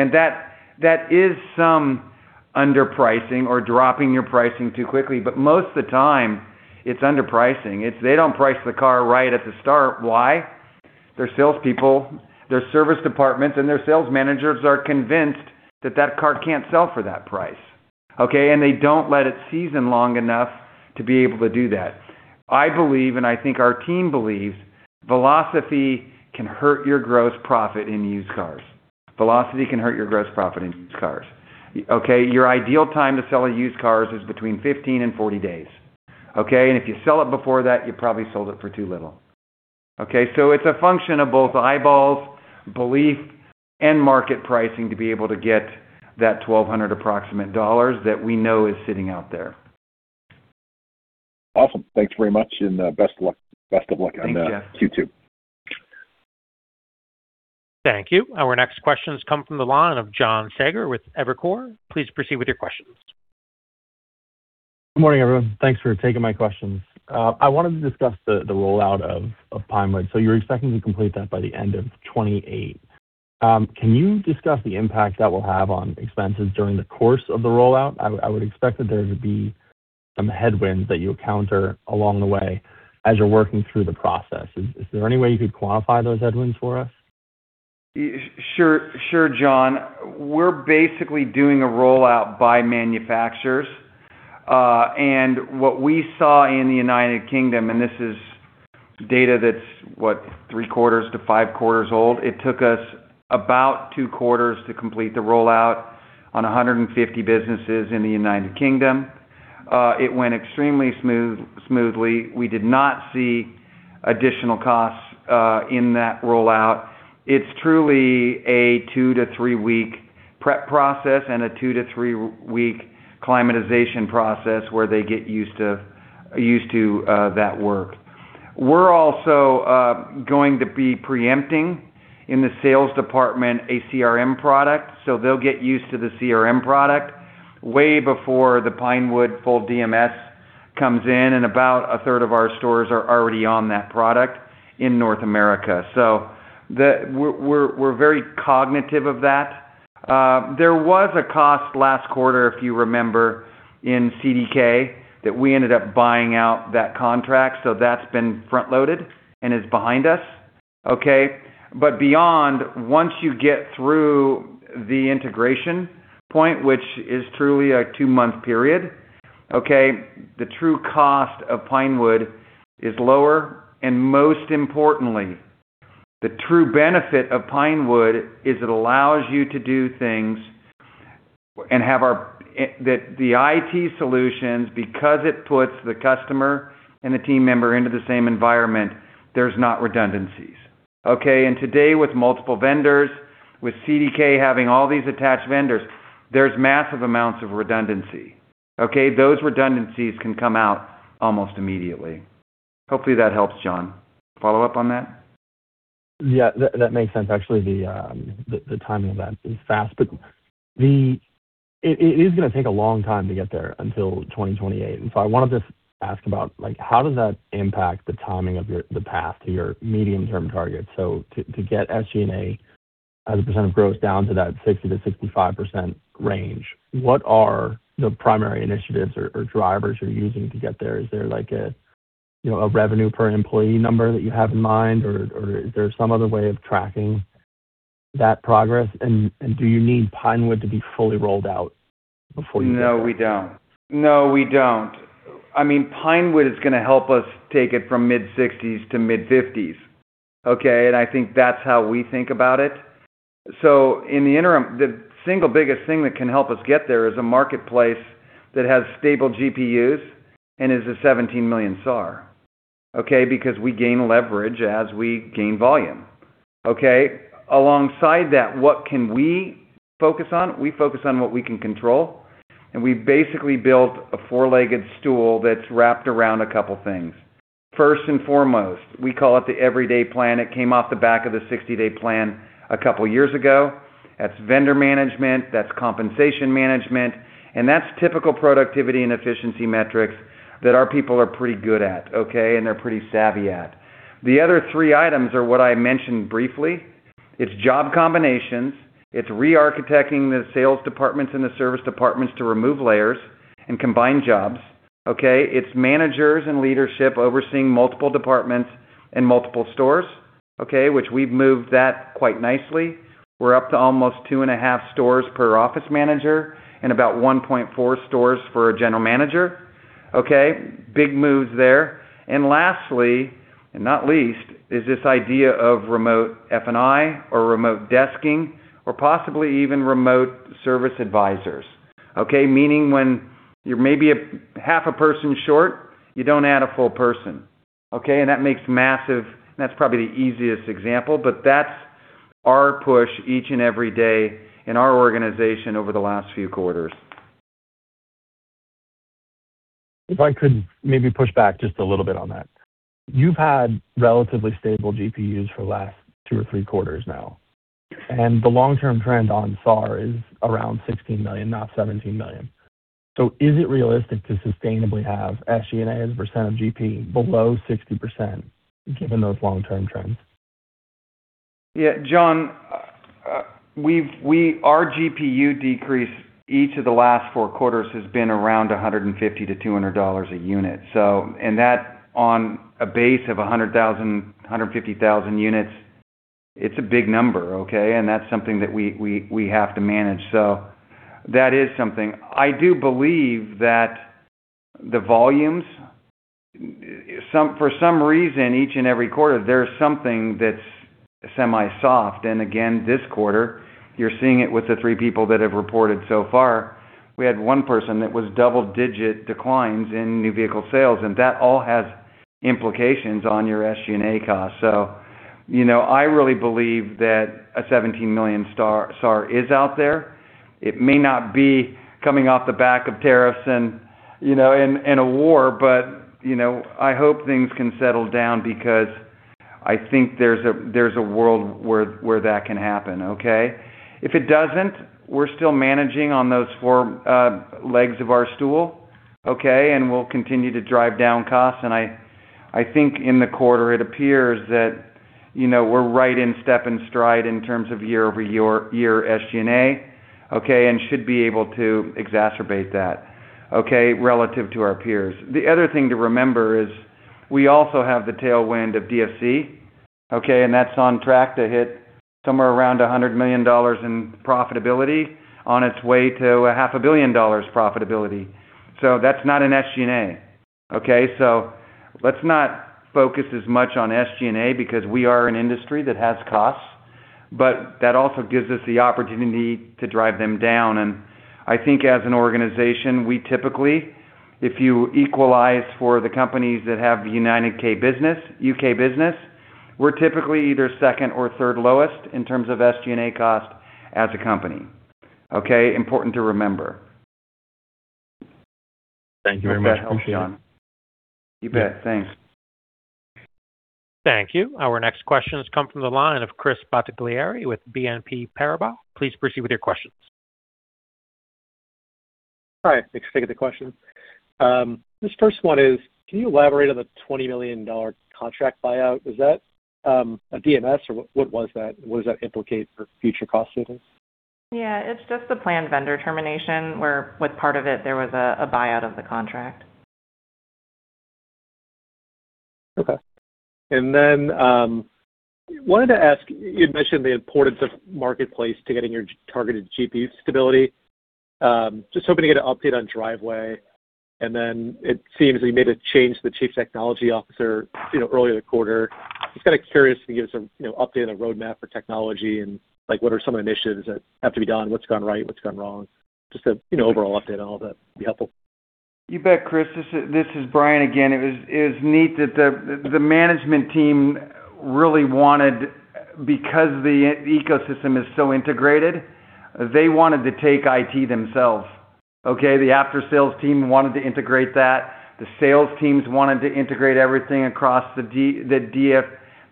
That is some underpricing or dropping your pricing too quickly. Most of the time it's underpricing. It's they don't price the car right at the start. Why? Their salespeople, their service departments, and their sales managers are convinced that that car can't sell for that price, okay? They don't let it season long enough to be able to do that. I believe, and I think our team believes, velocity can hurt your gross profit in used cars. Velocity can hurt your gross profit in used cars, okay? Your ideal time to sell a used cars is between 15 and 40 days, okay? If you sell it before that, you probably sold it for too little, okay? It's a function of both eyeballs, belief, and market pricing to be able to get that $1,200 approximate dollars that we know is sitting out there. Awesome. Thanks very much and best of luck in the Q2.. Thanks, Jeff. Thank you. Our next questions come from the line of John Saager with Evercore. Please proceed with your questions. Good morning, everyone. Thanks for taking my questions. I wanted to discuss the rollout of Pinewood. You're expecting to complete that by the end of 2028. Can you discuss the impact that will have on expenses during the course of the rollout? I would expect that there would be some headwinds that you encounter along the way as you're working through the process. Is there any way you could quantify those headwinds for us? Sure. Sure, John. We're basically doing a rollout by manufacturers. What we saw in the United Kingdom, this is data that's, what, three quarters to five quarters old. It took us about two quarters to complete the rollout on 150 businesses in the United Kingdom. It went extremely smoothly. We did not see additional costs in that rollout. It's truly a two-three week prep process and a two-three week acclimatization process where they get used to that work. We're also going to be preempting in the sales department a CRM product. They'll get used to the CRM product way before the Pinewood full DMS comes in and about one-third of our stores are already on that product in North America. We're very cognitive of that. There was a cost last quarter, if you remember, in CDK, that we ended up buying out that contract. That's been front-loaded and is behind us. Okay? Beyond, once you get through the integration point, which is truly a two-month period, okay? The true cost of Pinewood is lower, and most importantly, the true benefit of Pinewood is it allows you to do things and have that the IT solutions, because it puts the customer and the team member into the same environment, there's not redundancies. Okay? Today with multiple vendors, with CDK having all these attached vendors, there's massive amounts of redundancy. Okay? Those redundancies can come out almost immediately. Hopefully that helps, John. Follow up on that? That makes sense. Actually, the timing of that is fast. It is gonna take a long time to get there until 2028. I wanted to ask about, like, how does that impact the timing of the path to your medium-term target? To get SG&A as a percent of gross down to that 60%-65% range, what are the primary initiatives or drivers you're using to get there? Is there like a, you know, a revenue per employee number that you have in mind or is there some other way of tracking that progress? Do you need Pinewood to be fully rolled out before you get there? No, we don't. No, we don't. I mean, Pinewood.AI is gonna help us take it from mid-60s to mid-50s, okay? I think that's how we think about it. In the interim, the single biggest thing that can help us get there is a marketplace that has stable GPUs and is a 17 million SAAR. Okay? Because we gain leverage as we gain volume. Okay? Alongside that, what can we focus on? We focus on what we can control, and we basically built a four-legged stool that's wrapped around a couple things. First and foremost, we call it the Everyday Plan. It came off the back of the Sixty-Day Plan a couple years ago. That's vendor management, that's compensation management, and that's typical productivity and efficiency metrics that our people are pretty good at, okay? They're pretty savvy at. The other three items are what I mentioned briefly. It's job combinations. It's re-architecting the sales departments and the service departments to remove layers and combine jobs. Okay? It's managers and leadership overseeing multiple departments and multiple stores. Okay? Which we've moved that quite nicely. We're up to almost two and a half stores per office manager and about one point four stores for a general manager. Okay? Big moves there. Lastly, and not least, is this idea of remote F&I or remote desking or possibly even remote service advisors. Okay? Meaning when you're maybe a half a person short, you don't add a full person. Okay? That makes massive. That's probably the easiest example, but that's our push each and every day in our organization over the last few quarters. If I could maybe push back just a little bit on that. You've had relatively stable GPUs for the last two or three quarters now, and the long-term trend on SAAR is around $16 million, not $17 million. Is it realistic to sustainably have SG&A as a percent of GP below 60% given those long-term trends? Yeah, John, our GPU decrease each of the last four quarters has been around $150-$200 a unit. And that on a base of 100,000, 150,000 units, it's a big number. And that's something that we have to manage. That is something. I do believe that the volumes, for some reason, each and every quarter, there's something that's semi-soft. And again, this quarter, you're seeing it with the three people that have reported so far. We had one person that was double-digit declines in new vehicle sales, and that all has implications on your SG&A costs. You know, I really believe that a 17 million SAAR is out there. It may not be coming off the back of tariffs and, you know, and a war but, you know, I hope things can settle down because I think there's a, there's a world where that can happen. Okay? If it doesn't, we're still managing on those four legs of our stool, okay? We'll continue to drive down costs. I think in the quarter, it appears that, you know, we're right in step and stride in terms of year-over-year SG&A, okay? Should be able to exacerbate that, okay? Relative to our peers. The other thing to remember is we also have the tailwind of DFC, okay? That's on track to hit somewhere around $100 million in profitability on its way to a half a billion dollars profitability. That's not an SG&A, okay? Let's not focus as much on SG&A because we are an industry that has costs, but that also gives us the opportunity to drive them down. I think as an organization, we typically, if you equalize for the companies that have the U.K. business, we're typically either second or third lowest in terms of SG&A cost as a company, okay? Important to remember. Thank you very much. Appreciate it. Hope that helps, John. You bet. Thanks. Thank you. Our next questions come from the line of Chris Bottiglieri with BNP Paribas. Please proceed with your questions. Hi. Thanks for taking the questions. This first one is, can you elaborate on the $20 million contract buyout? Is that, a DMS or what was that? What does that implicate for future cost savings? Yeah. It's just a planned vendor termination where with part of it, there was a buyout of the contract. Okay. Wanted to ask, you had mentioned the importance of Marketplace to getting your targeted GP stability. Just hoping to get an update on Driveway, and then it seems that you made a change to the chief technology officer, you know, earlier in the quarter. Just kind of curious if you can give us a, you know, update on the roadmap for technology and, like what are some of the initiatives that have to be done, what's gone right, what's gone wrong? Just a, you know, overall update on all that would be helpful. You bet, Chris. This is Bryan again. It was neat that the management team really wanted because the e-ecosystem is so integrated, they wanted to take IT themselves. Okay? The after-sales team wanted to integrate that. The sales teams wanted to integrate everything across the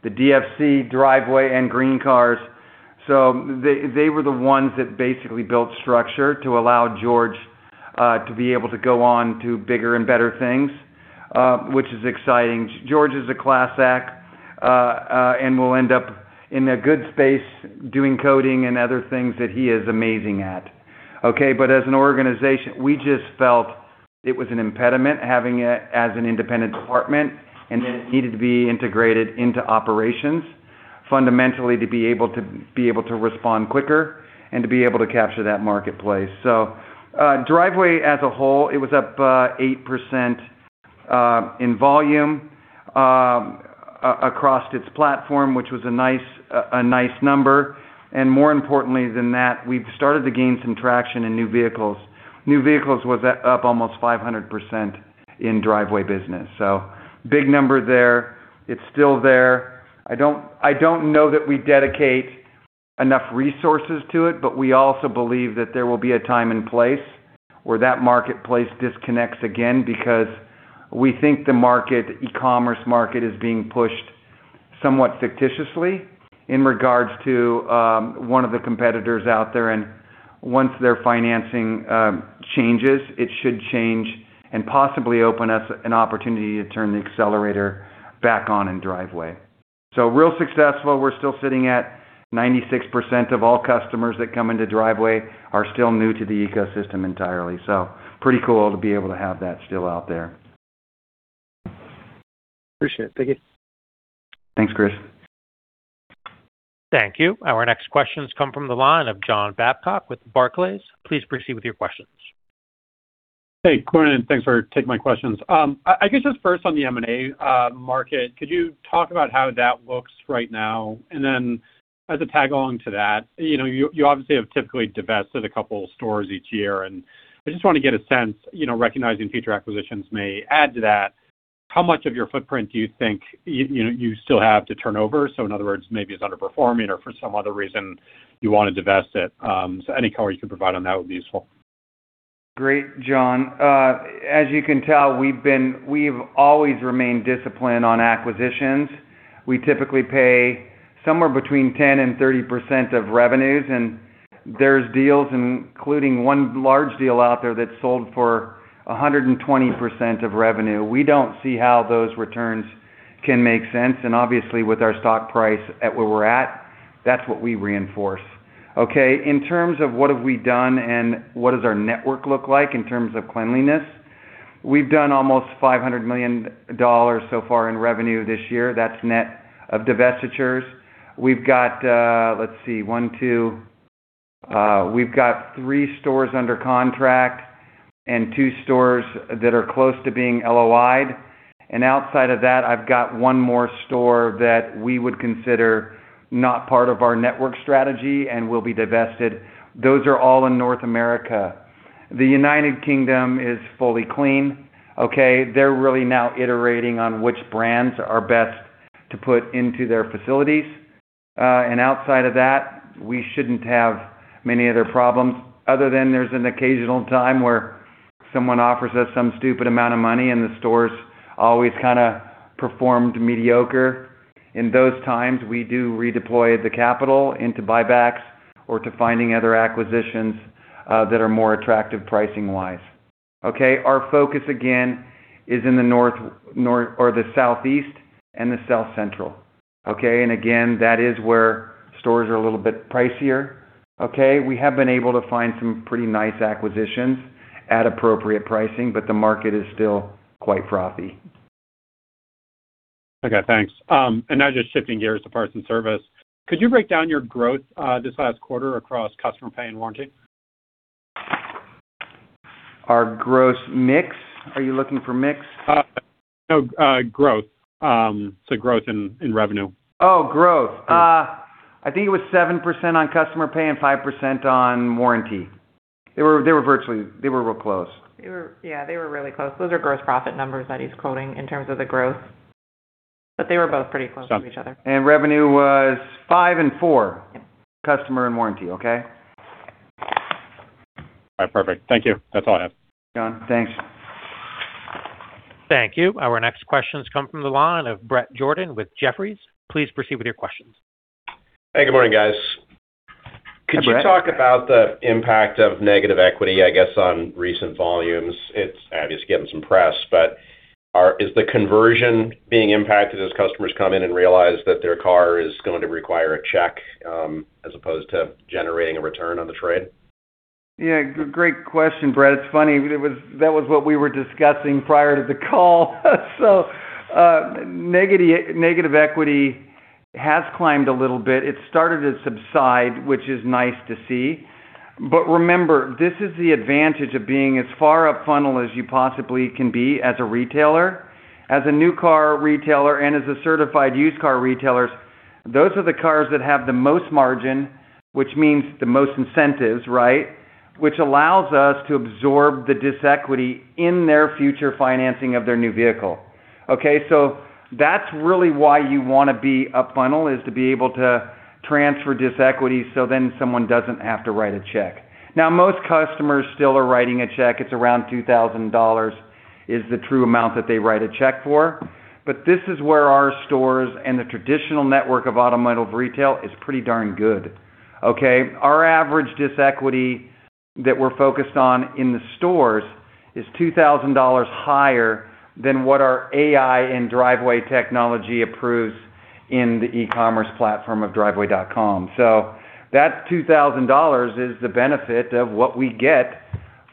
DFC, Driveway, and GreenCars. They were the ones that basically built structure to allow George to be able to go on to bigger and better things, which is exciting. George is a class act and will end up in a good space doing coding and other things that he is amazing at. Okay. As an organization, we just felt it was an impediment having it as an independent department, and that it needed to be integrated into operations fundamentally to be able to respond quicker and to be able to capture that marketplace. Driveway as a whole, it was up 8% in volume across its platform, which was a nice number. More importantly than that, we've started to gain some traction in new vehicles. New vehicles was up almost 500% in Driveway business. Big number there. It's still there. I don't know that we dedicate enough resources to it, but we also believe that there will be a time and place where that marketplace disconnects again because we think the market, e-commerce market is being pushed somewhat fictitiously in regards to one of the competitors out there. Once their financing changes, it should change and possibly open us an opportunity to turn the accelerator back on in Driveway. Real successful. We're still sitting at 96% of all customers that come into Driveway are still new to the ecosystem entirely. Pretty cool to be able to have that still out there. Appreciate it. Thank you. Thanks, Chris. Thank you. Our next questions come from the line of John Babcock with Barclays. Please proceed with your questions. Hey, Jordan, and thanks for taking my questions. I guess just first on the M&A market, could you talk about how that looks right now? As a tag along to that, you know, you obviously have typically divested a couple stores each year, and I just want to get a sense, you know, recognizing future acquisitions may add to that, how much of your footprint do you think you know, you still have to turn over? In other words, maybe it's underperforming or for some other reason you want to divest it. Any color you could provide on that would be useful. Great, John. As you can tell, we've always remained disciplined on acquisitions. We typically pay somewhere between 10% and 30% of revenues, and there's deals including one large deal out there that sold for 120% of revenue. We don't see how those returns can make sense, and obviously with our stock price at where we're at, that's what we reinforce. Okay, in terms of what have we done and what does our network look like in terms of cleanliness, we've done almost $500 million so far in revenue this year. That's net of divestitures. We've got, let's see, one, two, we've got three stores under contract and two stores that are close to being LOI'd. Outside of that, I've got one more store that we would consider not part of our network strategy and will be divested. Those are all in North America. The United Kingdom is fully clean. Okay, they're really now iterating on which brands are best to put into their facilities. Outside of that, we shouldn't have many other problems other than there's an occasional time where someone offers us some stupid amount of money, and the store's always kind of performed mediocre. In those times, we do redeploy the capital into buybacks or to finding other acquisitions that are more attractive pricing-wise. Okay, our focus again is in the North, or the Southeast and the South Central. Again, that is where stores are a little bit pricier. Okay, we have been able to find some pretty nice acquisitions at appropriate pricing, the market is still quite frothy. Okay, thanks. Now just shifting gears to parts and service. Could you break down your growth this last quarter across customer pay and warranty? Our gross mix? Are you looking for mix? No growth. Growth in revenue. Oh, growth. Yeah. I think it was 7% on customer pay and 5% on warranty. They were real close. Yeah, they were really close. Those are gross profit numbers that he's quoting in terms of the growth, but they were both pretty close to each other. Revenue was five and four- Yep customer and warranty, okay? All right, perfect. Thank you. That's all I have. John, thanks. Thank you. Our next question comes from the line of Bret Jordan with Jefferies. Please proceed with your questions. Hey, good morning, guys. Hi, Bret. Could you talk about the impact of negative equity, I guess, on recent volumes? It's obviously getting some press, but is the conversion being impacted as customers come in and realize that their car is going to require a check, as opposed to generating a return on the trade? Yeah, great question, Bret. It's funny, that was what we were discussing prior to the call. Negative, negative equity has climbed a little bit. It started to subside, which is nice to see. Remember, this is the advantage of being as far up funnel as you possibly can be as a retailer. As a new car retailer and as a certified used car retailers, those are the cars that have the most margin, which means the most incentives, right? Which allows us to absorb the disequity in their future financing of their new vehicle. That's really why you wanna be up funnel, is to be able to transfer disequity, someone doesn't have to write a check. Now, most customers still are writing a check. It's around $2,000 is the true amount that they write a check for. This is where our stores and the traditional network of Automotive Retail is pretty darn good, okay? Our average disequity that we're focused on in the stores is $2,000 higher than what our AI and Driveway technology approves in the e-commerce platform of Driveway.com. That $2,000 is the benefit of what we get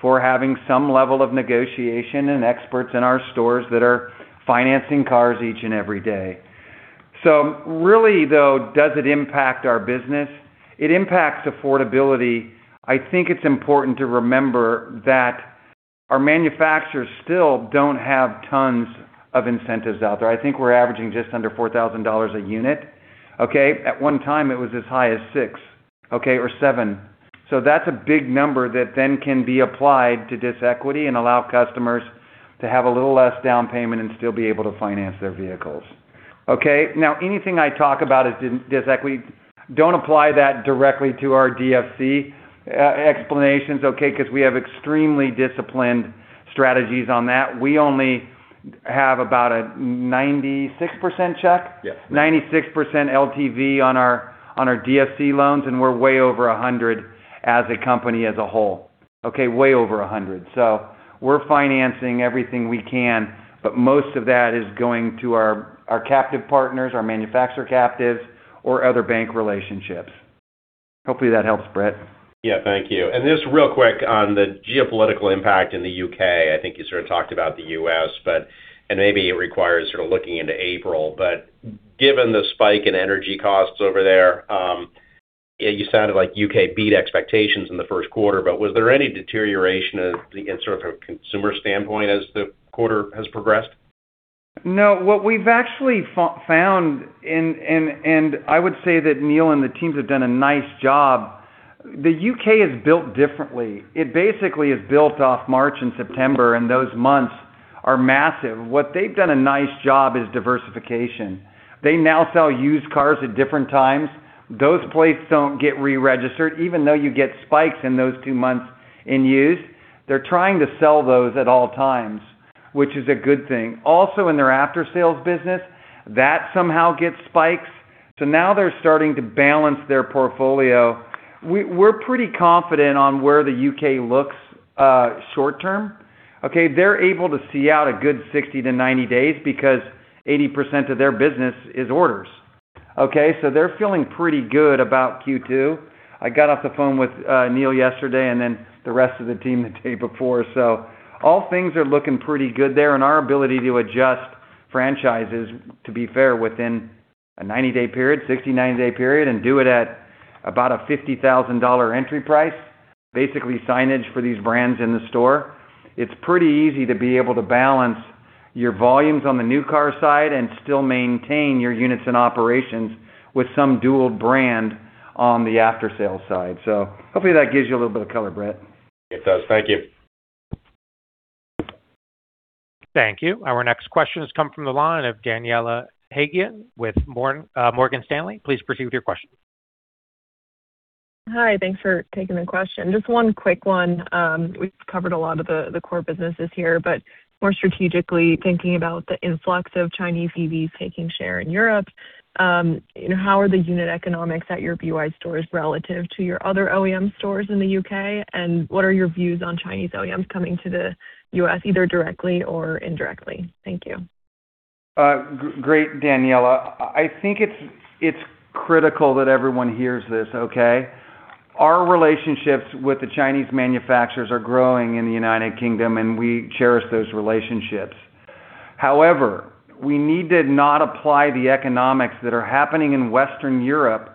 for having some level of negotiation and experts in our stores that are financing cars each and every day. Really, though, does it impact our business? It impacts affordability. I think it's important to remember that our manufacturers still don't have tons of incentives out there. I think we're averaging just under $4,000 a unit, okay? At one time, it was as high as $6,000, okay, or $7,000. That's a big number that then can be applied to this equity and allow customers to have a little less down payment and still be able to finance their vehicles. Anything I talk about as disequity, don't apply that directly to our DFC explanations, okay? We have extremely disciplined strategies on that. We only have about a 96%, Chuck? Yes. 96% LTV on our DFC loans, we're way over 100 as a company as a whole, okay? Way over 100. We're financing everything we can, most of that is going to our captive partners, our manufacturer captives or other bank relationships. Hopefully that helps, Bret. Yeah, thank you. Just real quick on the geopolitical impact in the U.K., I think you sort of talked about the U.S., but maybe it requires sort of looking into April. Given the spike in energy costs over there, you sounded like U.K. beat expectations in the first quarter, but was there any deterioration of the sort of a consumer standpoint as the quarter has progressed? What we've actually found and I would say that Neil and the teams have done a nice job. The U.K. is built differently. It basically is built off March and September. Those months are massive. What they've done a nice job is diversification. They now sell used cars at different times. Those plates don't get re-registered even though you get spikes in those two months in used. They're trying to sell those at all times, which is a good thing. Also in their after-sales business, that somehow gets spikes. Now they're starting to balance their portfolio. We're pretty confident on where the U.K. looks short term, okay. They're able to see out a good 60 to 90 days because 80% of their business is orders. They're feeling pretty good about Q2. I got off the phone with Neil yesterday and then the rest of the team the day before. All things are looking pretty good there. Our ability to adjust franchises, to be fair, within a 90-day period, 60, 90-day period, and do it at about a $50,000 entry price, basically signage for these brands in the store. It's pretty easy to be able to balance your volumes on the new car side and still maintain your units and operations with some dual brand on the after-sale side. Hopefully that gives you a little bit of color, Bret. It does. Thank you. Thank you. Our next question has come from the line of Daniela Haigian with Morgan Stanley. Please proceed with your question. Hi. Thanks for taking the question. Just one quick one. We've covered a lot of the core businesses here, but more strategically thinking about the influx of Chinese EVs taking share in Europe, how are the unit economics at your BYD stores relative to your other OEM stores in the U.K.? What are your views on Chinese OEMs coming to the U.S., either directly or indirectly? Thank you. Daniela. I think it's critical that everyone hears this, okay? Our relationships with the Chinese manufacturers are growing in the United Kingdom and we cherish those relationships. However, we need to not apply the economics that are happening in Western Europe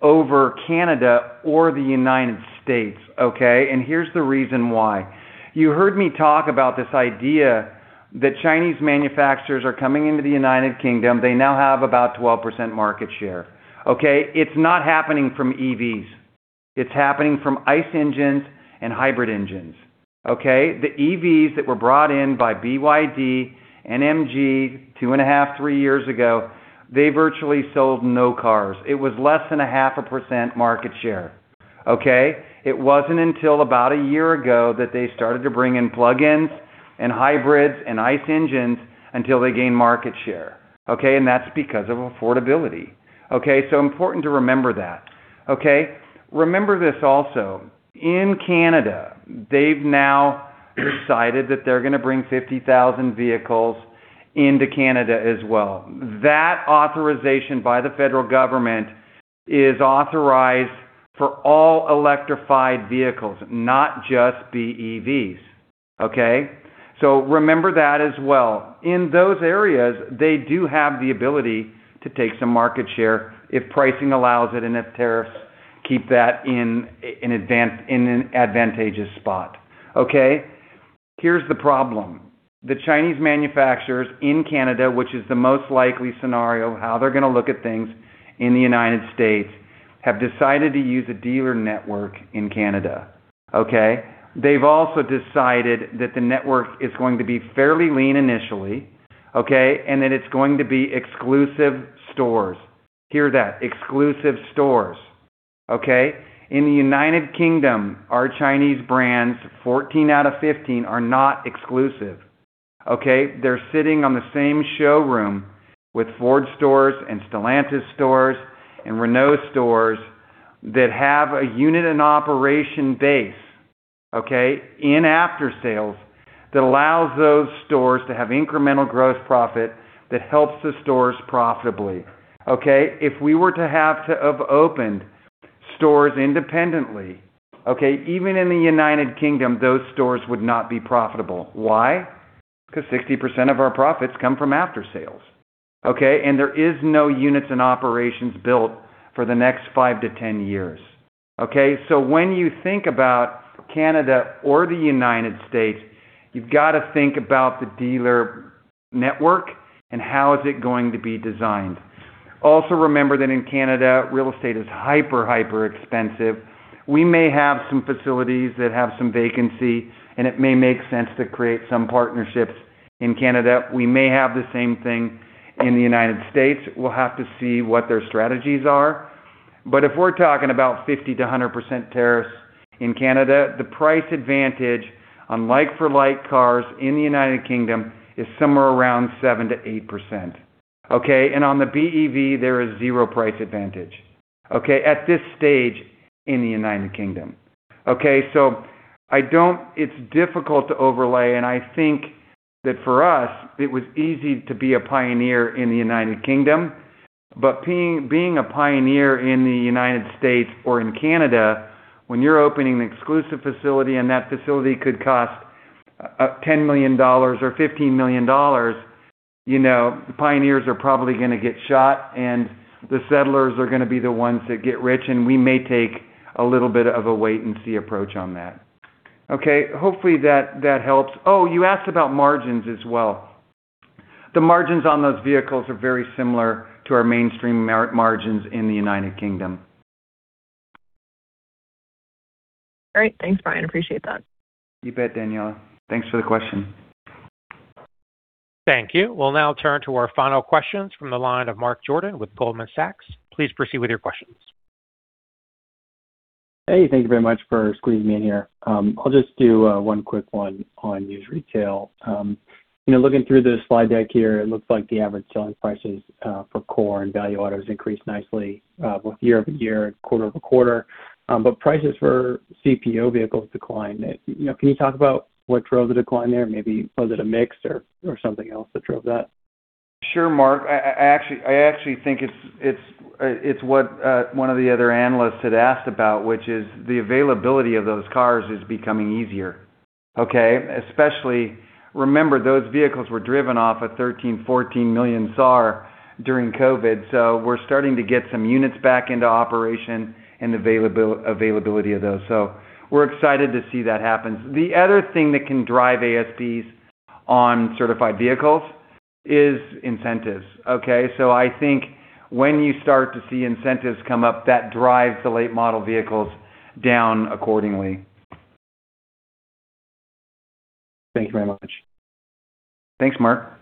over Canada or the United Stated okay? Here's the reason why. You heard me talk about this idea that Chinese manufacturers are coming into the U.K. They now have about 12% market share, okay? It's not happening from EVs. It's happening from ICE engines and hybrid engines, okay? The EVs that were brought in by BYD and MG two and a half, three years ago, they virtually sold no cars. It was less than a 0.5% market share, okay? It wasn't until about a year ago that they started to bring in plug-ins and hybrids and ICE engines until they gained market share, okay? That's because of affordability. Okay, important to remember that. Okay? Remember this also. In Canada, they've now decided that they're gonna bring 50,000 vehicles into Canada as well. That authorization by the federal government is authorized for all electrified vehicles, not just BEVs, okay? Remember that as well. In those areas, they do have the ability to take some market share if pricing allows it and if tariffs keep that in an advantageous spot. Okay? Here's the problem. The Chinese manufacturers in Canada, which is the most likely scenario how they're gonna look at things in the U.S., have decided to use a dealer network in Canada, okay? They've also decided that the network is going to be fairly lean initially, okay, and that it's going to be exclusive stores. Hear that, exclusive stores. Okay? In the United Kingdom, our Chinese brands, 14 out of 15, are not exclusive. Okay? They're sitting on the same showroom with Ford stores and Stellantis stores and Renault stores that have a unit and operation base, okay, in after-sales that allows those stores to have incremental growth profit that helps the stores profitably. Okay? If we were to have opened stores independently, okay, even in the United Kingdom, those stores would not be profitable. Why? Because 60% of our profits come from after-sales, okay? There is no units and operations built for the next five to 10 years. Okay? When you think about Canada or the United States, you've got to think about the dealer network and how is it going to be designed. Remember that in Canada, real estate is hyper expensive. We may have some facilities that have some vacancy, and it may make sense to create some partnerships in Canada. We may have the same thing in the United States. We'll have to see what their strategies are. If we're talking about 50%-100% tariffs in Canada, the price advantage on like for like cars in the United Kingdom. is somewhere around 7%-8%. On the BEV, there is 0 price advantage at this stage in the United Kingdom. It's difficult to overlay, and I think that for us, it was easy to be a pioneer in the United Kingdom. Bute being a pioneer in the United States or in Canada, when you're opening an exclusive facility and that facility could cost $10 million or $15 million, you know, pioneers are probably gonna get shot and the settlers are gonna be the ones that get rich. We may take a little bit of a wait and see approach on that. Okay, hopefully that helps. You asked about margins as well. The margins on those vehicles are very similar to our mainstream margins in the United Kingdom. All right. Thanks, Bryan. Appreciate that. You bet, Daniela. Thanks for the question. Thank you. We'll now turn to our final questions from the line of Mark Jordan with Goldman Sachs. Please proceed with your questions. Hey, thank you very much for squeezing me in here. I'll just do one quick one on used retail. You know, looking through the slide deck here, it looks like the average selling prices for core and value autos increased nicely, both year-over-year and quarter-over-quarter. Prices for CPO vehicles declined. You know, can you talk about what drove the decline there? Maybe was it a mix or something else that drove that? Sure, Mark. I actually think it's what one of the other analysts had asked about, which is the availability of those cars is becoming easier, okay? Especially, remember, those vehicles were driven off at 13, 14 million SAAR during COVID. We're starting to get some units back into operation and availability of those. We're excited to see that happen. The other thing that can drive ASPs on certified vehicles is incentives, okay? I think when you start to see incentives come up, that drives the late model vehicles down accordingly. Thank you very much. Thanks, Mark.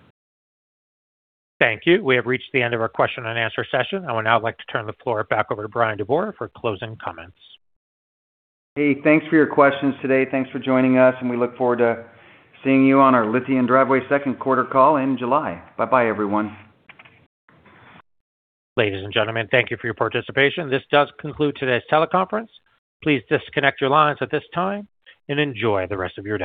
Thank you. We have reached the end of our question-and-answer session. I would now like to turn the floor back over to Bryan DeBoer for closing comments. Hey, thanks for your questions today. Thanks for joining us, and we look forward to seeing you on our Lithia and Driveway second quarter call in July. Bye bye, everyone. Ladies and gentlemen, thank you for your participation. This does conclude today's teleconference. Please disconnect your lines at this time and enjoy the rest of your day.